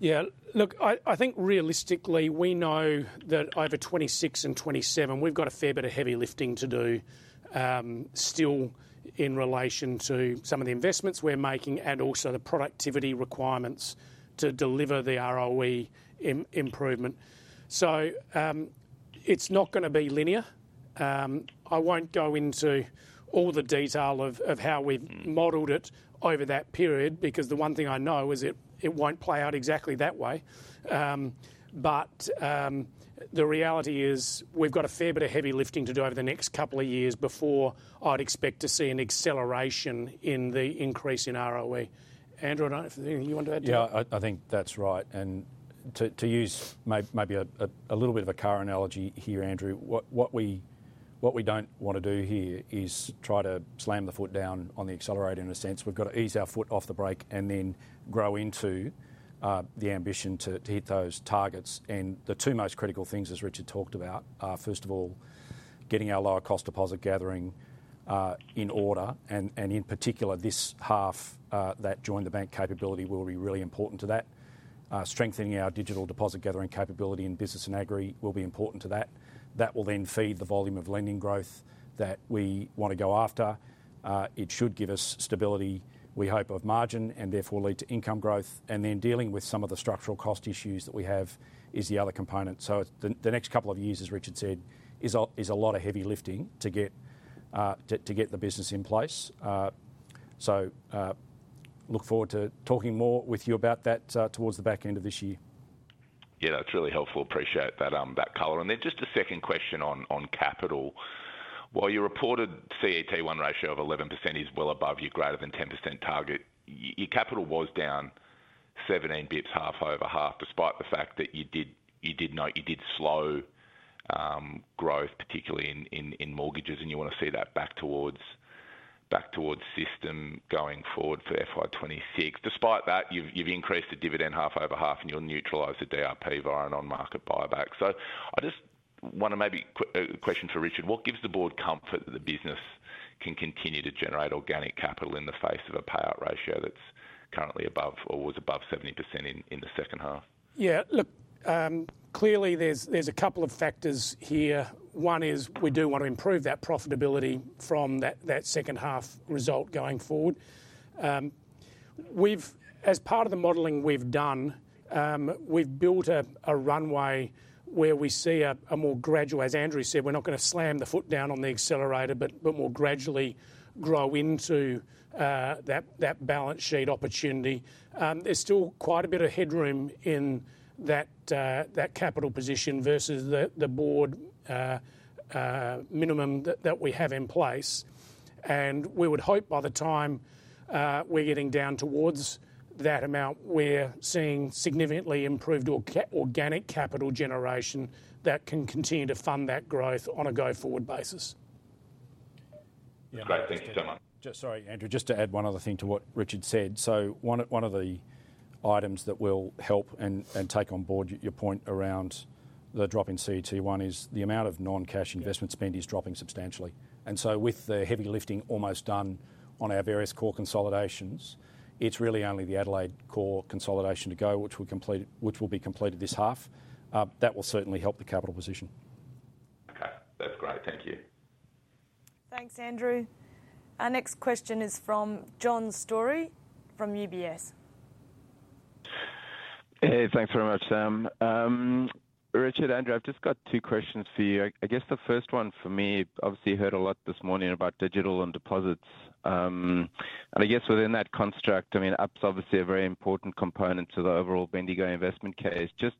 Yeah, look, I think realistically we know that over 2026 and 2027 we've got a fair bit of heavy lifting to do still in relation to some of the investments we're making and also the productivity requirements to deliver the ROE improvement. It's not going to be linear. I won't go into all the detail of how we've modeled it over that period because the one thing I know is it won't play out exactly that way, but the reality is we've got a fair bit of heavy lifting to do over the next couple of years before I'd expect to see an acceleration in the increase in ROE. Andrew, if there's anything you want to add. Yeah, I think that's right. To use maybe a little bit of a car analogy here, Andrew, what we don't want to do here is try to slam the foot down on the accelerator. In a sense, we've got to ease our foot off the brake and then grow into the ambition to hit those targets. The two most critical things, as Richard talked about, are first of all getting our lower cost deposit gathering in order and in particular this half that join the bank capability will be really important to that. Strengthening our digital deposit gathering capability in business and agri will be important to that. That will then feed the volume of lending growth that we want to go after. It should give us stability, we hope, of margin and therefore lead to income growth, and then dealing with some of the structural cost issues that we have is the other component. The next couple of years, as Richard said, is a lot of heavy lifting to get the business in place. I look forward to talking more with you about that towards the back end of this year. Yeah, that's really helpful. Appreciate that color. Just a second question on capital. While your reported CET1 ratio of 11% is well above your greater than 10% target, your capital was down 17 basis points half over half, despite the fact that you did note you did slow growth, particularly in mortgages, and you want to see that back towards system going forward for FY 2026. Despite that, you've increased the dividend half over half and you'll neutralize the DRP via an on market buyback. I just maybe have a question for Richard. What gives the board comfort that the business can continue to generate organic capital in the face of a payout ratio that's currently above or was above 70% in the second half? Yeah, look, clearly there's a couple of factors here. One is we do want to improve that profitability from that second half result going forward. As part of the modeling we've done, we've built a runway where we see a more gradual, as Andrew said, we're not going to slam the foot down on the accelerator, but more gradually grow into that balance sheet opportunity. There's still quite a bit of headroom in that capital position versus the board minimum that we have in place, and we would hope by the time we're getting down towards that amount, we're seeing significantly improved organic capital generation that can continue to fund that growth on a go forward basis. Thank you so much. Sorry, Andrew. Just to add one other thing to what Richard said, one of the items that will help and take on board your point around the drop in CET1 is the amount of non-cash investment spend is dropping substantially. With the heavy lifting almost done on our various core consolidations, it's really only the Adelaide core consolidation to go, which will be completed this half. That will certainly help the capital position. Okay, that's great. Thank you. Thanks Andrew. Our next question is from John Storey from UBS. Hey, thanks very much, Sam. Richard, I've just got two questions for you. I guess the first one for me, obviously heard a lot this morning about digital and deposits, and I guess within that construct, I mean Up's obviously a very important component to the overall Bendigo and Adelaide Bank investment case. Just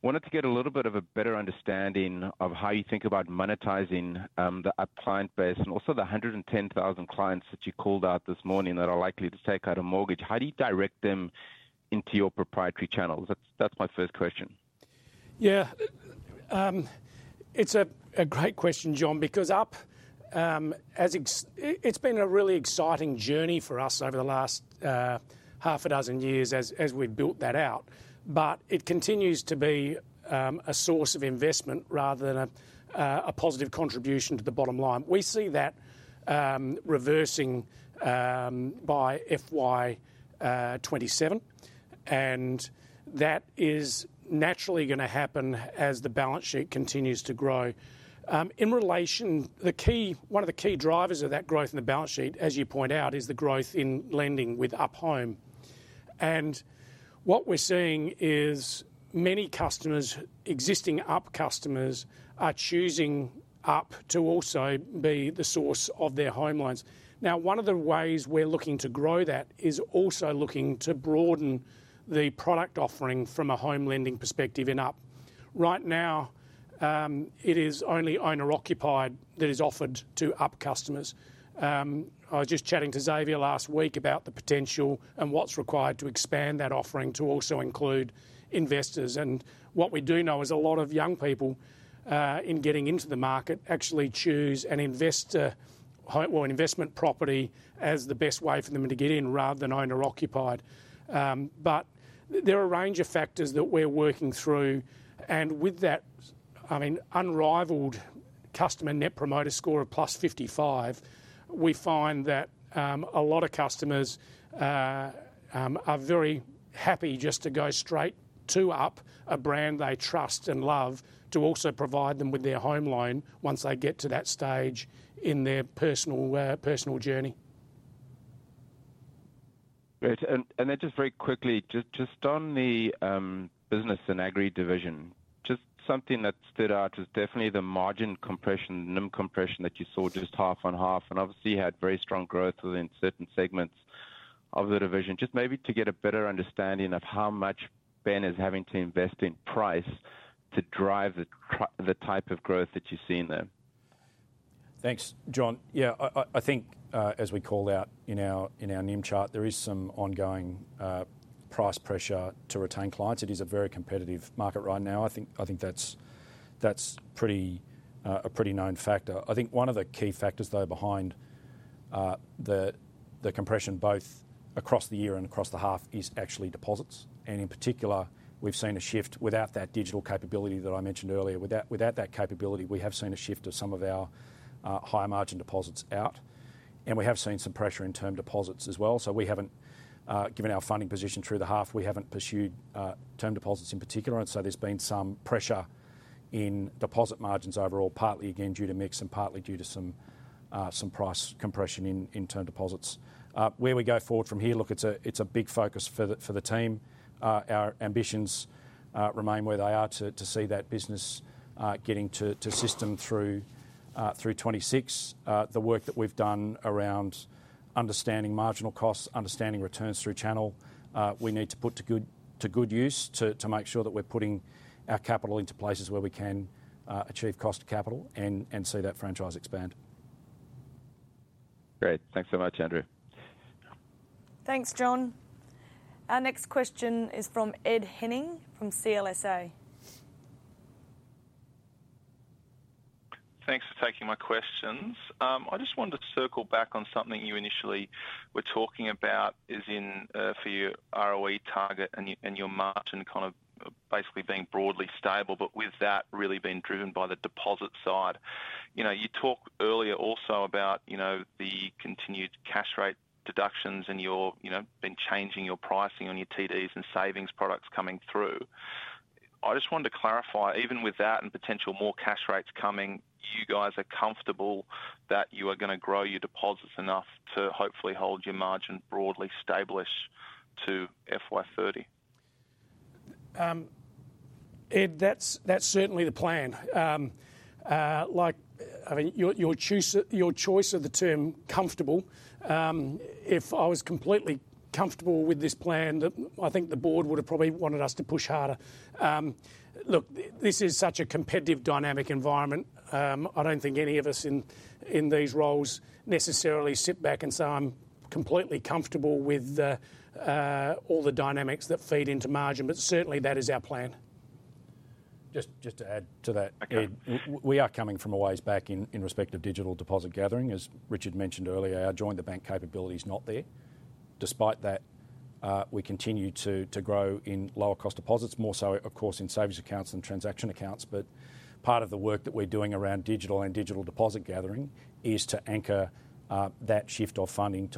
wanted to get a little bit of a better understanding of how you think about monetizing the client base. Also, the 110,000 clients that you called out this morning that are likely to take out a mortgage, how do you direct them into your proprietary channels? That's my first question. Yeah, it's a great question, John, because Up, it's been a really exciting journey for us over the last half a dozen years as we've built that out. It continues to be a source of investment rather than a positive contribution to the bottom line. We see that reversing by FY 2027, and that is naturally going to happen as the balance sheet continues to grow. In relation, one of the key drivers of that growth in the balance sheet, as you point out, is the growth in lending with Up Home. What we're seeing is many customers, existing Up customers, are choosing Up to also be the source of their home loans. One of the ways we're looking to grow that is also looking to broaden the product offering from a home lending perspective. In Up right now, it is only owner occupied that is offered to Up customers. I was just chatting to Xavier last week about the potential and what's required to expand that offering to also include investors. What we do know is a lot of young people, in getting into the market, actually choose an investor or an investment property as the best way for them to get in rather than owner occupied. There are a range of factors that we're working through, and with that, I mean unrivaled customer net promoter score of +55. We find that a lot of customers are very happy just to go straight to Up, a brand they trust and love, to also provide them with their home loan once they get to that stage in their personal journey. Great. Just very quickly, just on the business and agri division, just something that stood out was definitely the margin compression, NIM compression that you saw just half on half, and obviously had very strong growth within certain segments of the division. Just maybe to get a better understanding of how much Ben is having to invest in price to drive the type of growth that you see in there. Thanks, John. Yeah, I think as we call out in our NIM chart, there is some ongoing price pressure to retain clients. It is a very competitive market right now. I think that's a pretty known factor. I think one of the key factors though behind the compression both across the year and across the half is actually deposits. In particular, we've seen a shift without that digital capability that I mentioned earlier. Without that capability, we have seen a shift to some of our higher margin deposits out, and we have seen some pressure in term deposits as well. We haven't, given our funding position through the half, pursued term deposits in particular, and there's been some pressure in deposit margins overall, partly again due to mix and partly due to some price compression in term deposits. Where we go forward from here, it's a big focus for the team. Our ambitions remain where they are to see that business getting to system through 2026. The work that we've done around understanding marginal costs, understanding returns through channel, we need to put to good use to make sure that we're putting our capital into places where we can achieve cost capital and see that franchise expand. Great, thanks so much, Andrew. Thanks, John. Our next question is from Ed Henning from CLSA. Thanks for taking my questions. I just wanted to circle back on something you initially were talking about in for your ROE target and your margin kind of basically being broadly stable, with that really being driven by the deposit side. You talked earlier also about the continued cash rate deductions and you've been changing your pricing on your term deposits and savings products coming through. I just wanted to clarify, even with that and potential more cash rates coming, you guys are comfortable that you are going to grow your deposits enough to hopefully hold your margin broadly stable to FY 2030? Ed, that's certainly the plan. I mean, your choice of the term comfortable. If I was completely comfortable with this plan, I think the board would have probably wanted us to push harder. Look, this is such a competitive, dynamic environment. I don't think any of us in these roles necessarily sit back and say I'm completely comfortable with all the dynamics that feed into margin, but certainly that is our plan. Just to add to that, Ed, we are coming from a ways back in respect to digital deposit gathering. As Richard mentioned earlier, our join the bank capability is not there. Despite that, we continue to grow in lower cost deposits, more so of course in savings accounts and transaction accounts. Part of the work that we're doing around digital and digital deposit gathering is to anchor that shift of funding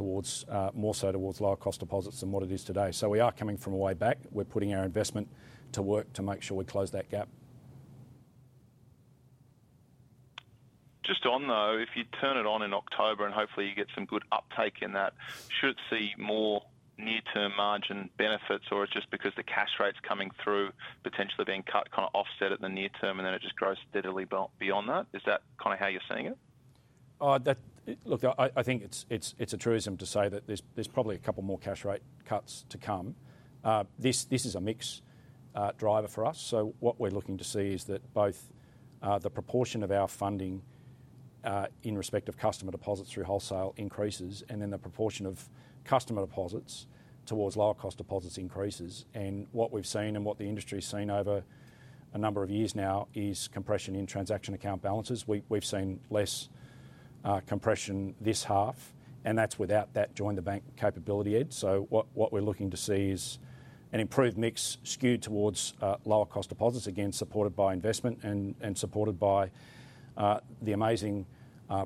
more so towards lower cost deposits than what it is today. We are coming from a way back. We're putting our investment to work to make sure we close that gap. Just on though, if you turn it on in October and hopefully you get some good uptake in that, should see more near term margin benefits, or it's just because the cash rate's coming through, potentially being cut, kind of offset at the near term, and then it just grows steadily beyond that. Is that kind of how you're seeing it? I think it's a truism to say that there's probably a couple more cash rate cuts to come. This is a mix driver for us. What we're looking to see is that both the proportion of our funding in respect of customer deposits through wholesale increases, and then the proportion of customer deposits towards lower cost deposits increases. What we've seen and what the industry's seen over a number of years now is compression in transaction account balances. We've seen less compression this half, and that's without that join the bank capability, Ed. What we're looking to see is an improved mix skewed towards lower cost deposits, again supported by investment and supported by the amazing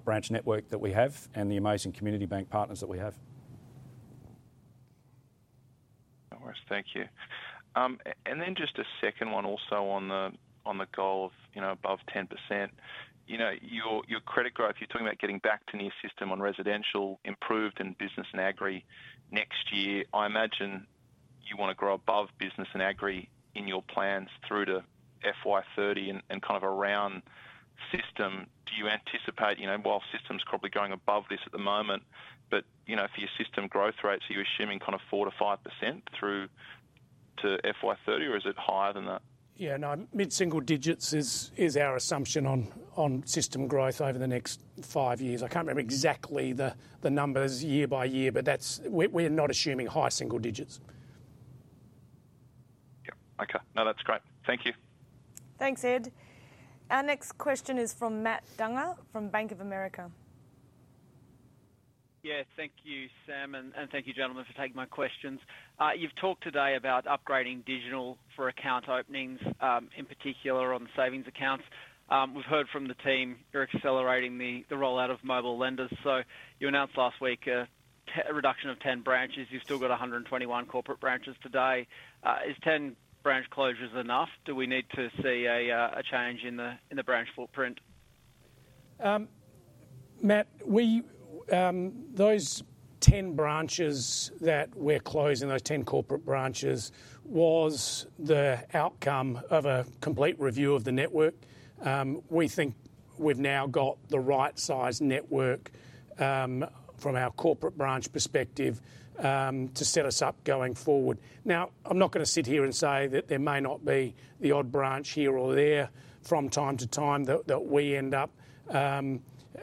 branch network that we have and the amazing community bank partners that we have. No worries. Thank you. Just a second one, also on the goal of above 10%. You know your credit growth, you're talking about getting back to near system on residential, improved in business and agribusiness next year. I imagine you want to grow above business and agribusiness in your plans through to FY 2030 and kind of around system. Do you anticipate, while system's probably going above this at the moment, for your system growth rates, are you assuming kind of 4%-5% through to FY 2030 or is it higher than that? Yeah, no, mid single digits is our assumption on system growth over the next five years. I can't remember exactly the numbers year by year, but we're not assuming high single digits. Okay, no, that's great. Thank you. Thanks, Ed. Our next question is from Matt Dunger from Bank of America. Thank you, Sam. Thank you, gentlemen, for taking my questions. You've talked today about upgrading digital for account openings, in particular on saving accounts. We've heard from the team you're accelerating the rollout of mobile lenders. You announced last week a reduction of 10 branches. You've still got 121 corporate branches today. Is 10 branch closures enough? Do we need to see a change in the branch footprint? Matt, those 10 branches that we're closing, those 10 corporate branches, was the outcome of a complete review of the network. We think we've now got the right size network from our corporate branch perspective to set us up going forward. Now I'm not going to sit here and say that there may not be the odd branch here or there from time to time that we end up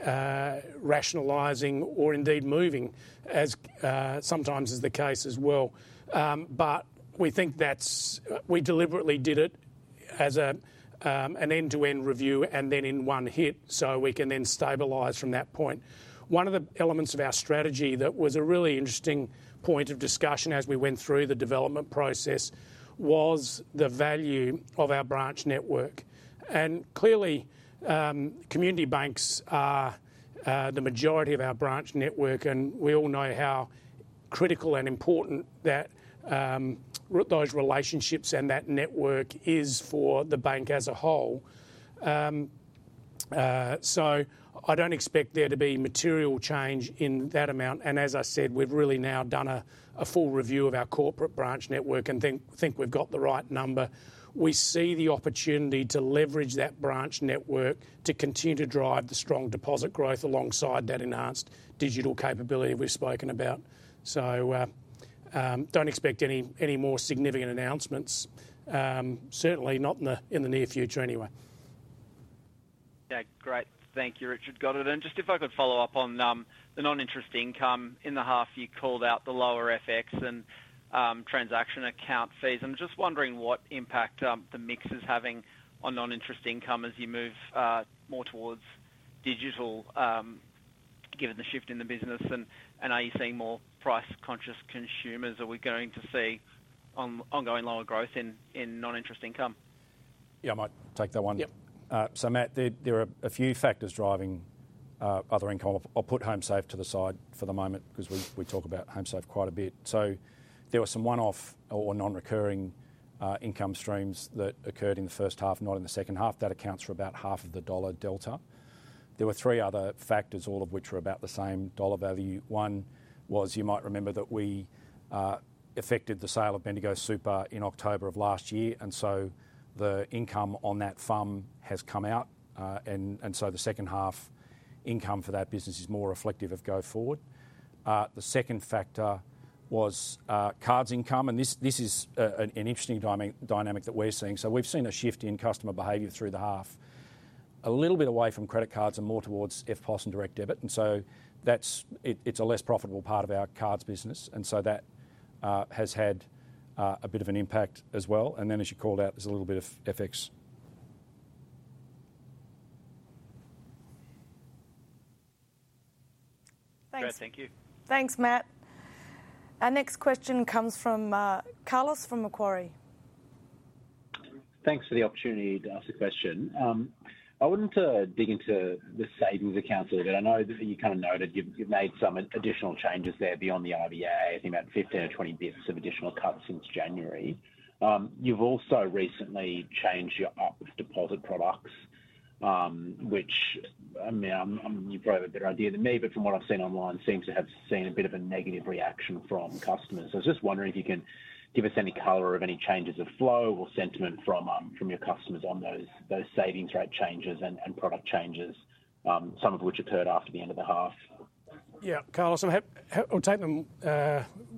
rationalizing or indeed moving as sometimes is the case as well, but we think that's why we deliberately did it as an end-to-end review and then in one hit so we can then stabilize from that point. One of the elements of our strategy that was a really interesting point of discussion as we went through the development process was the value of our branch network. Clearly, community banks are the majority of our branch network and we all know how critical and important those relationships and that network is for the bank as a whole. I don't expect there to be material change in that amount. As I said, we've really now done a full review of our corporate branch network and think we've got the right number. We see the opportunity to leverage that branch network to continue to drive the strong deposit growth alongside that enhanced digital capability we've spoken about. Don't expect any more significant announcements, certainly not in the near future anyway. Great, thank you, Richard. Got it. If I could follow up on the non-interest income in the half, you called out the lower FX and transaction account fees. I'm just wondering what impact the mix is having on non-interest income as you move more towards digital, given the shift in the business. Are you seeing more price conscious consumers? Are we going to see ongoing lower growth in non-interest income? Yeah, I might take that one. Matt, there are a few factors driving other income. I'll put Homesafe to the side for the moment because we talk about Homesafe quite a bit. There were some one-off or non-recurring income streams that occurred in the first half, not in the second half. That accounts for about half of the dollar delta. There were three other factors, all of which were about the same dollar value. One was, you might remember that we effected the sale of Bendigo Super in October of last year, and the income on that has come out. The second half income for that business is more reflective of go forward. The second factor was cards income, and this is an interesting dynamic that we're seeing. We've seen a shift in customer behavior through the half a little bit away from credit cards and more towards EFTPOS and direct debit. It's a less profitable part of our cards business, and that has had a bit of an impact as well. As you called out, there's a little bit of FX. Great. Thank you. Thanks. Matt. Our next question comes from Carlos from Macquarie. Thanks for the opportunity to ask a question. I want to dig into the savings accounts a little bit. I know you kind of noted you've made some additional changes there beyond the RBA, I think about 15 basis points or 20 basis points of additional cuts since January. You've also recently changed your Up deposit products, which, I mean you probably have a better idea than me, but from what I've seen online, seems to have seen a bit of a negative reaction from customers. I was just wondering if you can give us any color of any changes of flow or sentiment from your customers on those savings rate changes and product changes, some of which occurred after the end of the half. Yeah, Carlos, I'll take them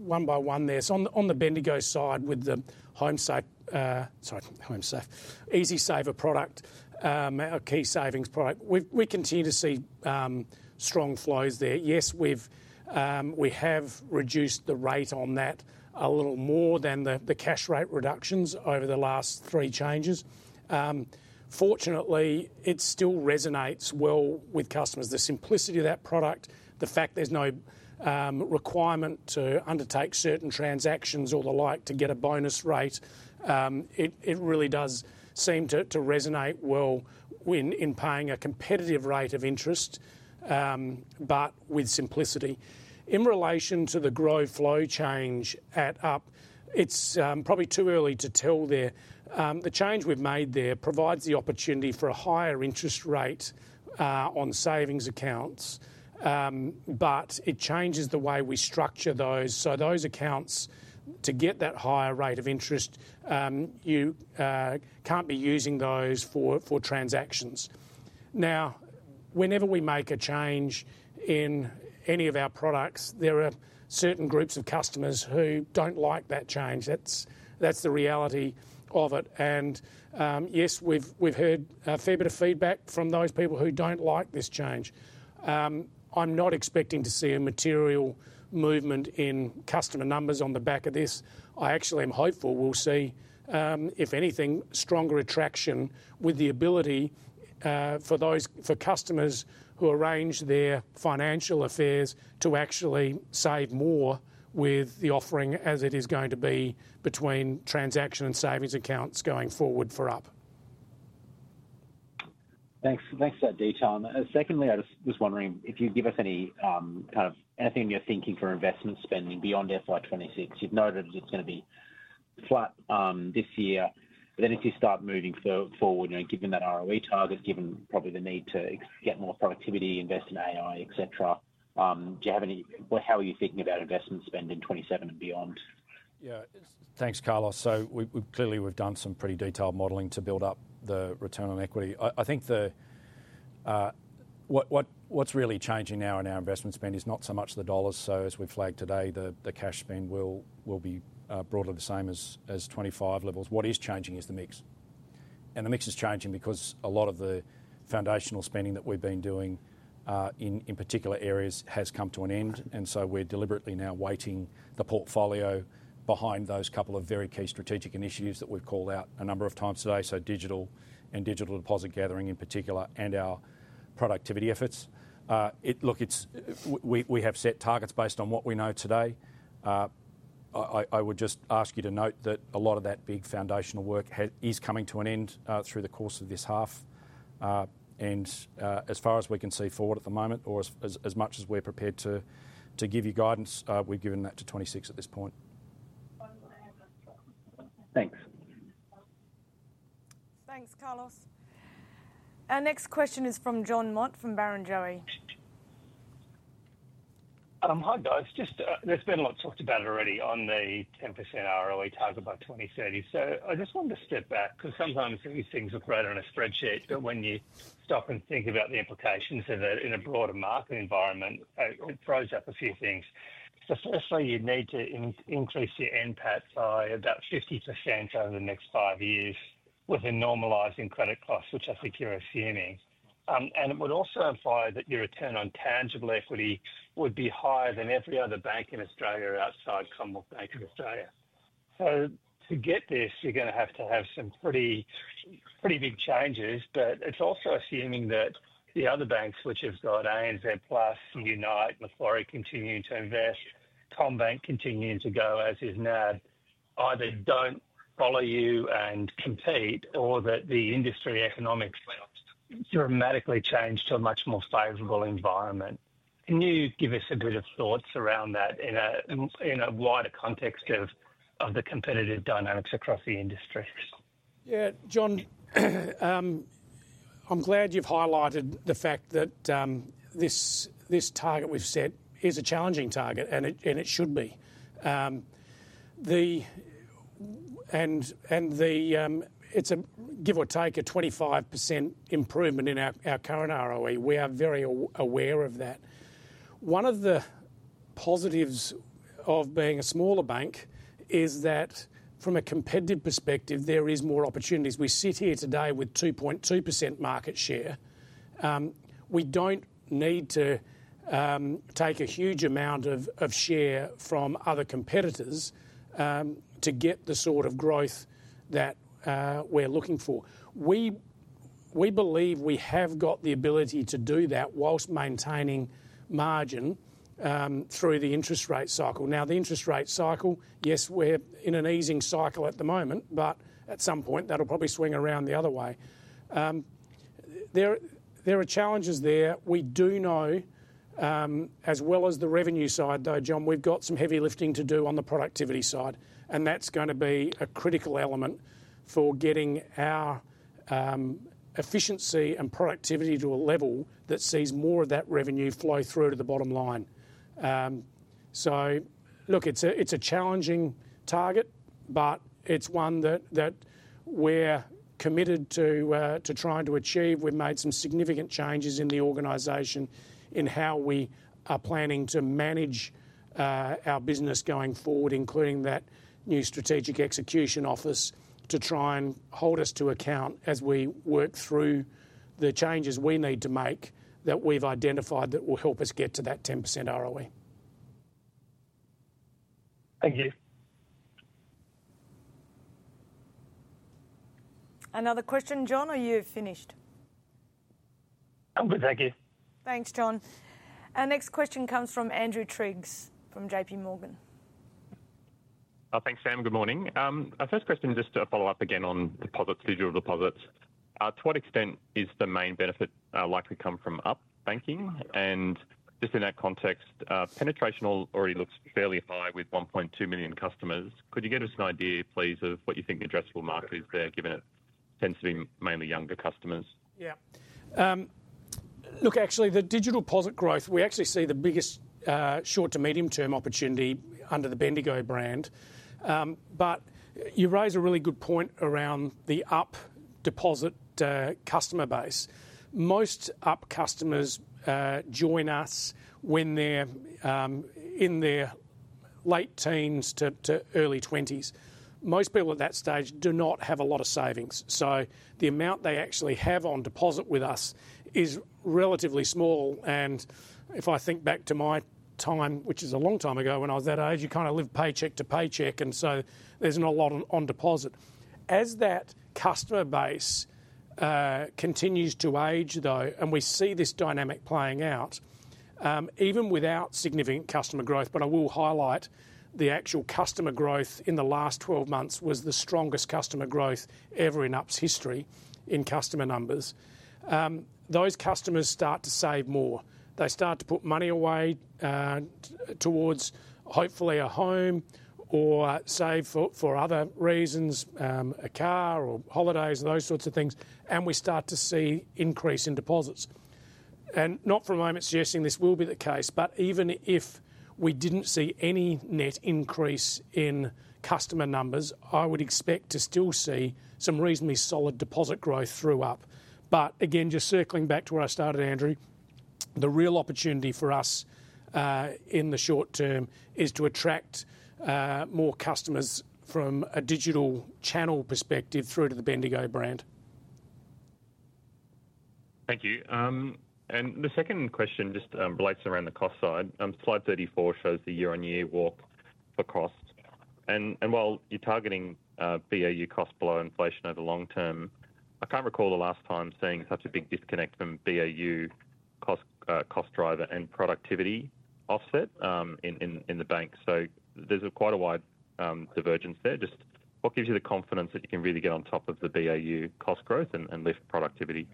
one by one there. On the Bendigo side with the EasySaver product, a key savings product, we continue to see strong flows there. Yes, we have reduced the rate on that a little more than the cash rate reductions over the last three changes. Fortunately, it still resonates well with customers. The simplicity of that product, the fact there's no requirement to undertake certain transactions or the like to get a bonus rate, really does seem to resonate well in paying a competitive rate of interest, but with simplicity. In relation to the growth flow change at Up, it's probably too early to tell there. The change we've made there provides the opportunity for a higher interest rate on savings accounts, but it changes the way we structure those. For those accounts to get that higher rate of interest, you can't be using those for transactions. Whenever we make a change in any of our products, there are certain groups of customers who don't like that change. That's the reality of it. Yes, we've heard a fair bit of feedback from those people who don't like this change. I'm not expecting to see a material movement in customer numbers on the back of this. I actually am hopeful we'll see, if anything, stronger attraction with the ability for customers who arrange their financial affairs to actually save more with the offering as it is going to be between transaction and savings accounts going forward for Up. Thanks for that detail. Secondly, I just was wondering if you'd give us any kind of anything you're thinking for investment spending beyond FY 2026. You've noted it's going to be flat this year, but if you start moving forward, given that ROE target, given probably the need to get more productivity, invest in AI, et cetera, do you have any, how are you thinking about investment spend in 2027 and beyond? Yeah, thanks, Carlos. We clearly have done some pretty detailed modeling to build up the return on equity. What's really changing now in our investment spend is not so much the dollars. As we flagged today, the cash spend will be broadly the same as 2025 levels. What is changing is the mix, and the mix is changing because a lot of the foundational spending that we've been doing in particular areas has come to an end. We're deliberately now weighting the portfolio behind those couple of very key strategic initiatives that we've called out a number of times today: digital and digital deposit gathering in particular, and our productivity efforts. We have set targets based on what we know today. I would just ask you to note that a lot of that big foundational work is coming to an end through the course of this half. As far as we can see forward at the moment, or as much as we're prepared to give you guidance, we've given that to 2026 at this point. Thanks, Carlos. Our next question is from John Mott from Baron Jjoey. Hi guys. There's been a lot talked about already on the 10% ROE target by 2030. I just wanted to step back because sometimes these things look great on a spreadsheet, but when you stop and think about the implications in a broader market environment, it throws up a few things. Firstly, you need to increase your NPAT by about 50% over the next five years with a normalizing credit cost, which I think you're assuming. It would also imply that your return on tangible equity would be higher than every other bank in Australia, outside Commonwealth Bank of Australia. To get this, you're going to have to have some pretty, pretty big changes. It's also assuming that the other banks which have got ANZ Plus, Unite, Macquarie continuing to invest, Commonwealth Bank continuing to go as is, NAB either don't follow you and compete or that the industry economics dramatically changed to a much more favorable environment. Can you give us a bit of thoughts around that in a wider context of the competitive dynamics across the industries? Yeah, Jon, I'm glad you've highlighted the fact that this target we've set is a challenging target and it should be. It's a, give or take, a 25% improvement in our current ROE. We are very aware of that. One of the positives of being a smaller bank is that from a competitive perspective there are more opportunities. We sit here today with 2.2% market share. We don't need to take a huge amount of share from other competitors to get the sort of growth that we're looking for. We believe we have got the ability to do that whilst maintaining margin through the interest rate cycle. Now, the interest rate cycle, yes, we're in an easing cycle at the moment, but at some point that'll probably swing around the other way. There are challenges there. We do know as well as the revenue side though, Jon, we've got some heavy lifting to do on the productivity side and that's going to be a critical element for getting our efficiency and productivity to a level that sees more of that revenue flow through to the bottom line. Look, it's a challenging target, but it's one that we're committed to trying to achieve. We've made some significant changes in the organization in how we are planning to manage our business going forward, including that new strategic execution office to try and hold us to account as we work through the changes we need to make that we've identified that will help us get to that 10% ROE. Thank you. Another question, John, are you finished? I'm good, thank you. Thanks, John. Our next question comes from Andrew Triggs from JPMorgan. Thanks, Sam. Good morning. Our first question, just to follow up again on deposits, digital deposits, to what extent is the main benefit likely to come from Up banking? In that context, penetration already looks fairly high with 1.2 million customers. Could you give us an idea, please, of what you think the addressable market is there, given it tends to be mainly younger customers? Yeah, look, actually the digital deposit growth, we actually see the biggest short to medium term opportunity under the Bendigo brand. You raise a really good point around the Up deposit customer base. Most Up customers join us when they're in their late teens to early 20s. Most people at that stage do not have a lot of savings, so the amount they actually have on deposit with us is relatively small. If I think back to my time, which is a long time ago when I was that age, you kind of live paycheck to paycheck, and there's not a lot on deposit as that customer base continues to age though. We see this dynamic playing out even without significant customer growth. I will highlight the actual customer growth in the last 12 months was the strongest customer growth ever in Up's history. In customer numbers, those customers start to save more. They start to put money away towards hopefully a home or save for other reasons, a car or holidays, those sorts of things, and we start to see increase in deposits. Not for a moment suggesting this will be the case, but even if we didn't see any net increase in customer numbers, I would expect to still see some reasonably solid deposit growth through Up. Again, just circling back to where I started, Andrew, the real opportunity for us in the short term is to attract more customers from a digital channel perspective through to the Bendigo brand. Thank you. The second question just relates around the cost side. Slide 34 shows the year-on-year walk for cost. While you're targeting BAU cost below inflation over the long term, I can't recall the last time seeing such a big disconnect from BAU cost driver and productivity offset in the bank. There's quite a wide divergence there. What gives you the confidence that you can really get on top of the BAU cost growth and lift productivity?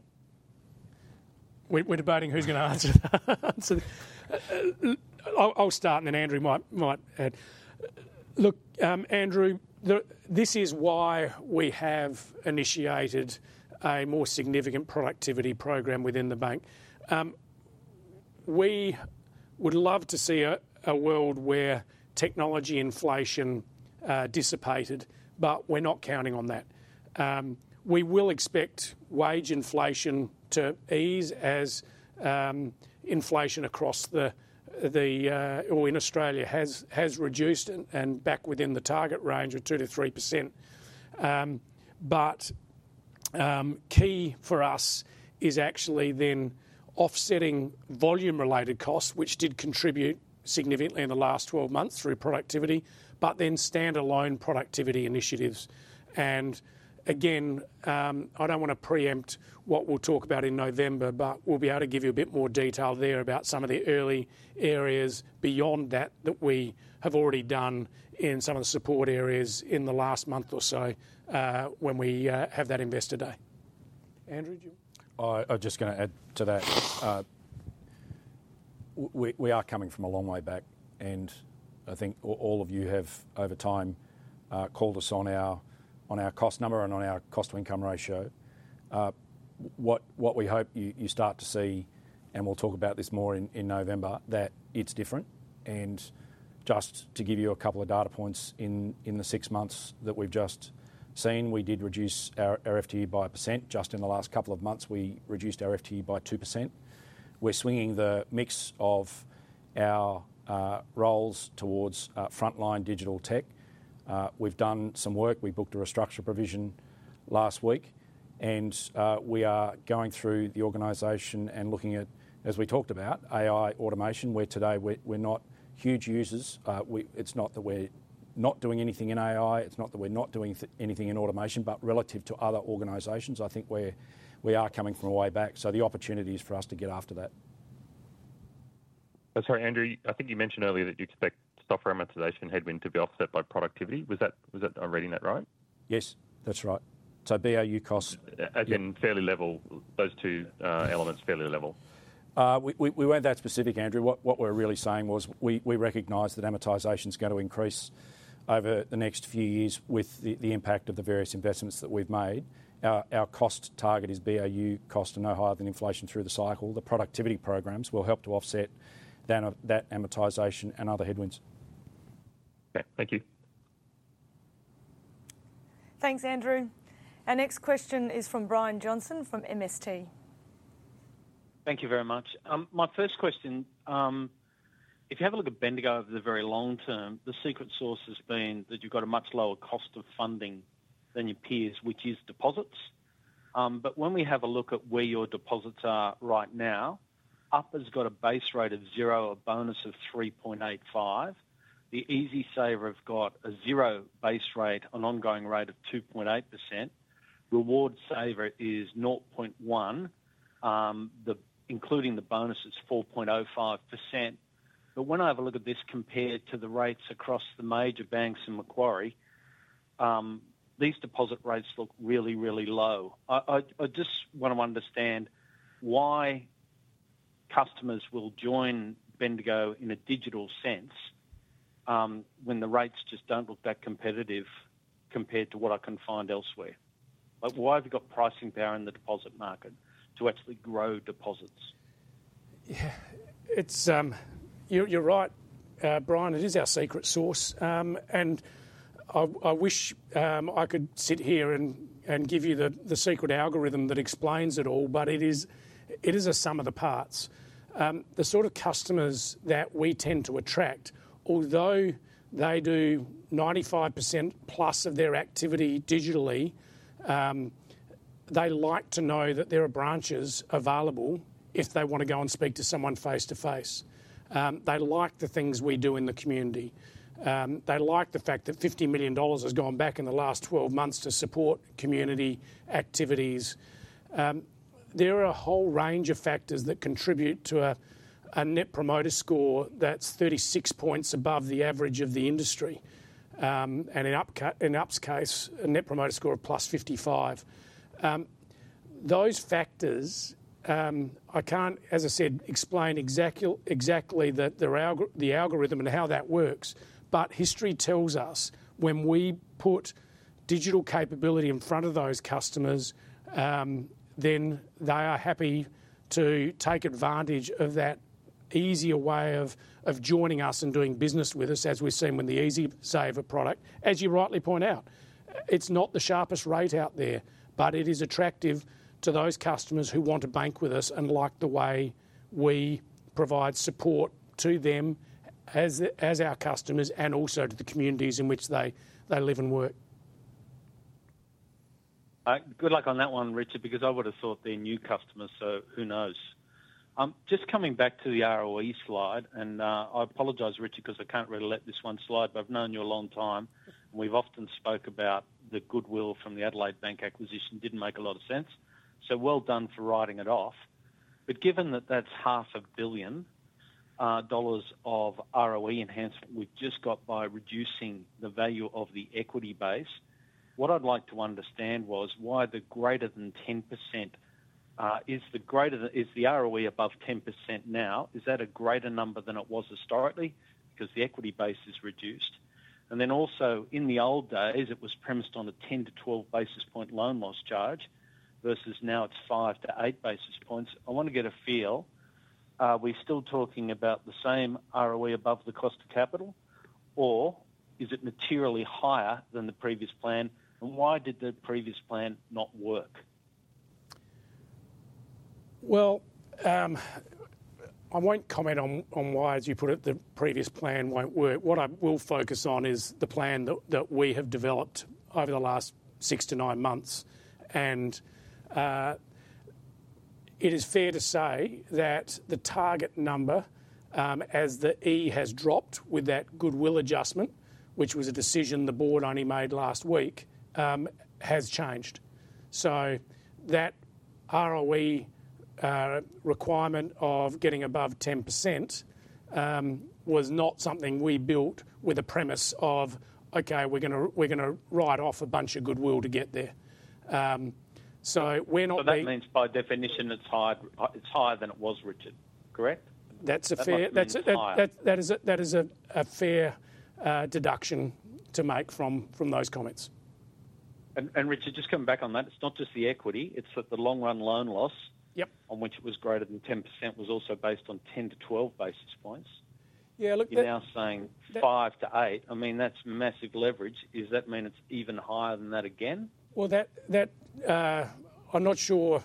We're debating who's going to answer that. I'll start and then Andrew might add. Look, Andrew, this is why we have initiated a more significant productivity program within the bank. We would love to see a world where technology inflation dissipated, but we're not counting on that. We will expect wage inflation to ease as inflation across the or in Australia has reduced and back within the target range of 2%-3%. Key for us is actually then offsetting volume related costs which did contribute significantly in the last 12 months through productivity, but then standalone productivity initiatives. I don't want to preempt what we'll talk about in November, but we'll be able to give you a bit more detail there about some of the early areas beyond that that we have already done in some of the support areas in the last month or so. When we have that Investor Day, Andrew? I'm just going to add to that. We are coming from a long way back, and I think all of you have over time called us on our cost number and on our cost to income ratio. What we hope you start to see, and we'll talk about this more in November, is that it's different. Just to give you a couple of data points, in the six months that we've just seen, we did reduce our FTE by 1%. Just in the last couple of months, we reduced our FTE by 2%. We're swinging the mix of our roles towards frontline Digital Tech. We've done some work, we booked a restructure provision last week, and we are going through the organization and looking at, as we talked about, AI-driven automation, where today we're not huge users. It's not that we're not doing anything in AI, it's not that we're not doing anything in automation, but relative to other organizations, I think we are coming from way back. The opportunity is for us to get after that. Sorry, Andrew, I think you mentioned earlier that you expect software amortization headwind to be offset by productivity. Was that, am I reading that right? Yes, that's right. BAU costs as in fairly level, those two elements. Fairly level? We weren't that specific, Andrew. What we're really saying was we recognize that amortization's going to increase over the next few years with the impact of the various investments that we've made. Our cost target is BAU cost are no higher than inflation through the cycle. The productivity programs will help to offset that amortization and other headwinds. Thank you. Thanks, Andrew. Our next question is from Brian Johnson from MST. Thank you very much. My first question, if you have a look at Bendigo over the very long term, the secret sauce has been that you've got a much lower cost of funding than your peers, which is deposits. When we have a look at where your deposits are right now, Up has got a base rate of 0%, a bonus of 3.85%. The EasySaver has got a 0% base rate, an ongoing rate of 2.8%. Reward Saver is 0.1%, including the bonus is 4.05%. When I have a look at this compared to the rates across the major banks and Macquarie, these deposit rates look really, really low. I just want to understand why customers will join Bendigo in a digital sense when the rates just don't look that competitive compared to what I can find elsewhere. Why have you got pricing power in the deposit market to actually grow deposits? You're right, Brian. It is our secret sauce. I wish I could sit here and give you the secret algorithm that explains it all, but it is a sum of the parts, the sort of customers that we tend to attract. Although they do 95%+ of their activity digitally, they like to know that there are branches available if they want to go and speak to someone face to face. They like the things we do in the community. They like the fact that $50 million has gone back in the last 12 months to support community activities. There are a whole range of factors that contribute to a net promoter score that's 36 points above the average of the industry and in Up's case, a net promoter score of +55. Those factors, I can't, as I said, explain exactly the algorithm and how that works, but history tells us when we put digital capability in front of those customers, then they are happy to take advantage of that easier way of joining us and doing business with us. As we've seen, when the EasySaver product, as you rightly point out, it's not the sharpest rate out there, but it is attractive to those customers who want to bank with us and like the way we provide support to them as our customers and also to the communities in which they live and work. Good luck on that one, Richard, because I would have thought they're new customers, so who knows? Just coming back to the ROE slide and I apologize, Richard, because I can't really let this one slide, but I've known you a long time. We've often spoke about the goodwill from the Adelaide Bank acquisition. Didn't make a lot of sense, so well done for writing it off. Given that that's half a billion dollars of ROE enhancement we've just got by reducing the value of the equity base, what I'd like to understand was why the greater than 10%. Is the ROE above 10% now, is that a greater number than it was historically? Because the equity base is reduced and then also in the old days it was premised on a 10-12 basis points loan loss charge versus now it's five to eight basis points. I want to get a feel. Are we still talking about the same ROE above the cost of capital or is it materially higher than the previous plan? Why did the previous plan not work? I won't comment on why, as you put it, the previous plan won't work. What I will focus on is the plan that we have developed over the last six to nine months. It is fair to say that the target number as the ROE has dropped with that goodwill adjustment, which was a decision the board only made last week, has changed. That ROE requirement of getting above 10% was not something we built with a premise of, okay, we're going to write off a bunch of goodwill to get there. We're not. That means by definition it's hard, it's higher than it was. Richard, correct. That's it. That is a fair deduction to make from those comments. Richard, just coming back on that, it's not just the equity, it's that the long run loan loss on which it was greater than 10% was also based on 10-12 basis points. You're now saying five to eight basis points. I mean that's massive leverage. Does that mean it's even higher than that again? I'm not sure.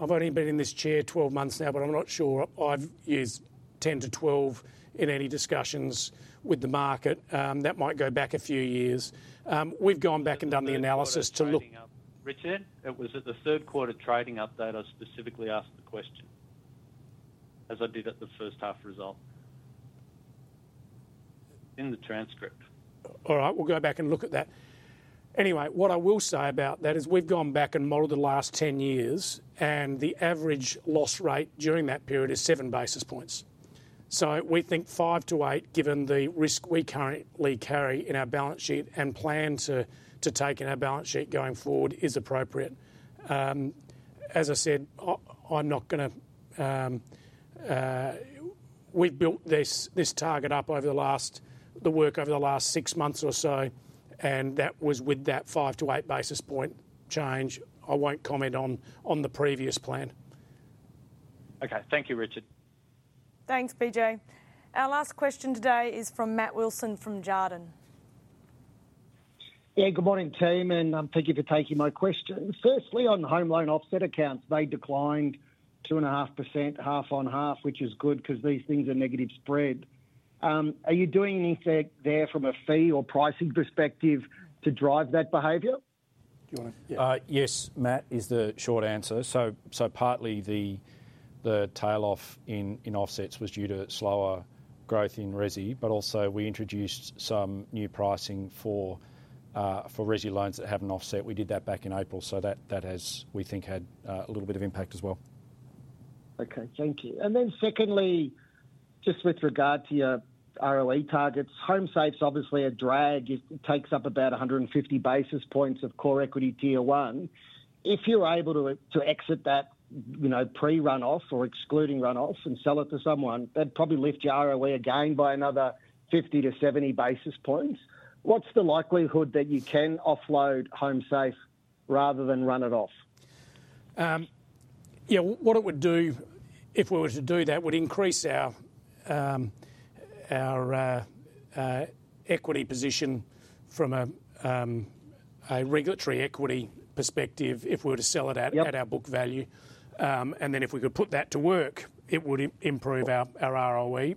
I've only been in this chair 12 months now, but I'm not sure I've used 10-12 in any discussions with the market. That might go back a few years. We've gone back and done the analysis. Richard, it was at the third quarter trading update. I specifically asked the question, as I did at the first half result in the transcript. All right, we'll go back and look at that. Anyway, what I will say about that is we've gone back and modeled the last 10 years, and the average loss rate during that period is 0.07%. We think 0.05%-0.08%, given the risk we currently carry in our balance sheet and plan to take in our balance sheet going forward, is appropriate. As I said, I'm not going to. We've built this target up over the last, the work over the last six months or so, and that was with that 0.05%-0.08% change. I won't comment on the previous plan. Okay, thank you, Richard. Thanks BJ. Our last question today is from Matt Wilson from Jarden,. Good morning team and thank you for taking my question. Firstly, on home loan offset accounts, they declined 2.5%. Half on half, which is good because these things are negative spread. Are you doing anything there from a fee or pricing perspective to drive that behavior? Do you want to? Yes, Matt is the short answer. Partly the tail off in offsets was due to slower growth in resi, but also we introduced some new pricing for resi loans that haven't offset. We did that back in April. That has, we think, had a little bit of impact as well. Okay, thank you. Secondly, just with regard to your ROE targets, Home Safe's obviously a drag. It takes up about 150 basis points of Common Equity Tier 1. If you're able to exit that, you know, pre runoff or excluding runoff, and sell it to someone, they'd probably lift your ROE again by another 50-70 basis points. What's the likelihood that you can offload Home Safe rather than run it off? What it would do if we were to do that would increase our equity position from a regulatory equity perspective. If we were to sell it out at our book value and then if we could put that to work, it would improve our ROE.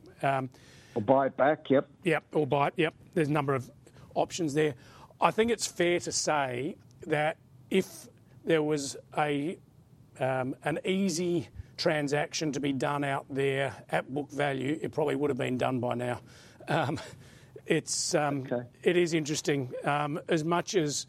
Or buy it back, yes? Yes, or buy it, yes. There's a number of options there. I think it's fair to say that if there was an easy transaction to be done out there at book value, it probably would have been done by now. It is interesting. As much as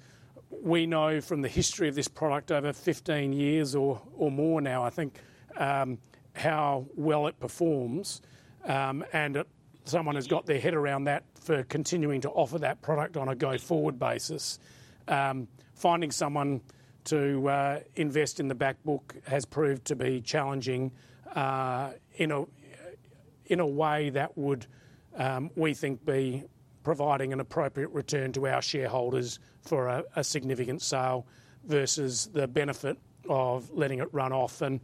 we know from the history of this product, over 15 years or more now, I think how well it performs and someone has got their head around that for continuing to offer that product on a go forward basis. Finding someone to invest in the back book has proved to be challenging in a way that would, we think, be providing an appropriate return to our shareholders for a significant sale versus the benefit of letting it run off and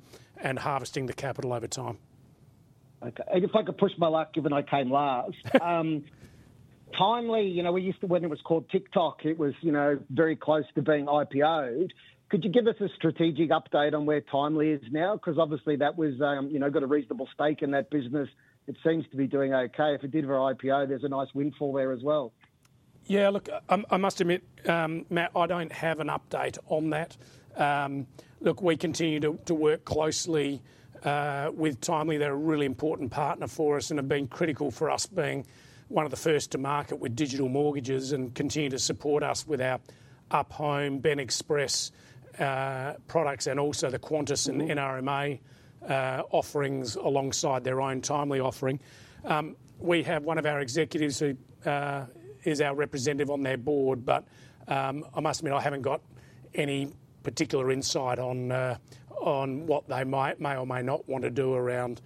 harvesting the capital over time. Okay. If I could push my luck, given I came last, Timely, you know, we used to, when it was called TikTok, it was very close to being IPO'd. Could you give us a strategic update on where Timely is now? Cause obviously that was, you know, got a reasonable stake in that business. It seems to be doing okay. If it did for IPO, there's a nice windfall there as well. Yeah, look, I must admit, Matt, I don't have an update on that. We continue to work closely with Timely. They're a really important partner for us and have been critical for us being one of the first to market with digital mortgages and continue to support us with our Up Home BEN Express products and also the Qantas and NRMA offerings alongside their own timely offering. We have one of our executives who is our representative on their board. I must admit I haven't got any particular insight on what they may or may not want to do around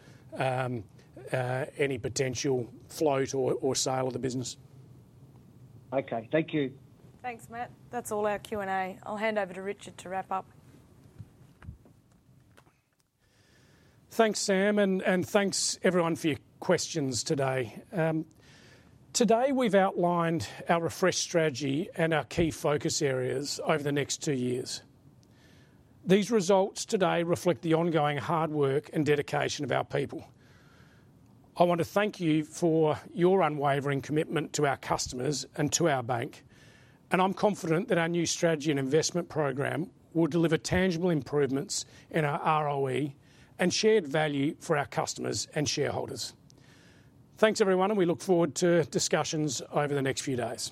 any potential float or sale of the business. Okay, thank you. Thanks, Matt. That's all our Q&A. I'll hand over to Richard to wrap up. Thanks Sam, and thanks everyone for your questions today. Today we've outlined our refresh strategy and our key focus areas over the next two years. These results today reflect the ongoing hard work and dedication of our people. I want to thank you for your unwavering commitment to our customers and to our bank, and I'm confident that our new strategy and investment program will deliver tangible improvements in our ROE and shared value for our customers and shareholders. Thanks everyone, and we look forward to discussions over the next few days.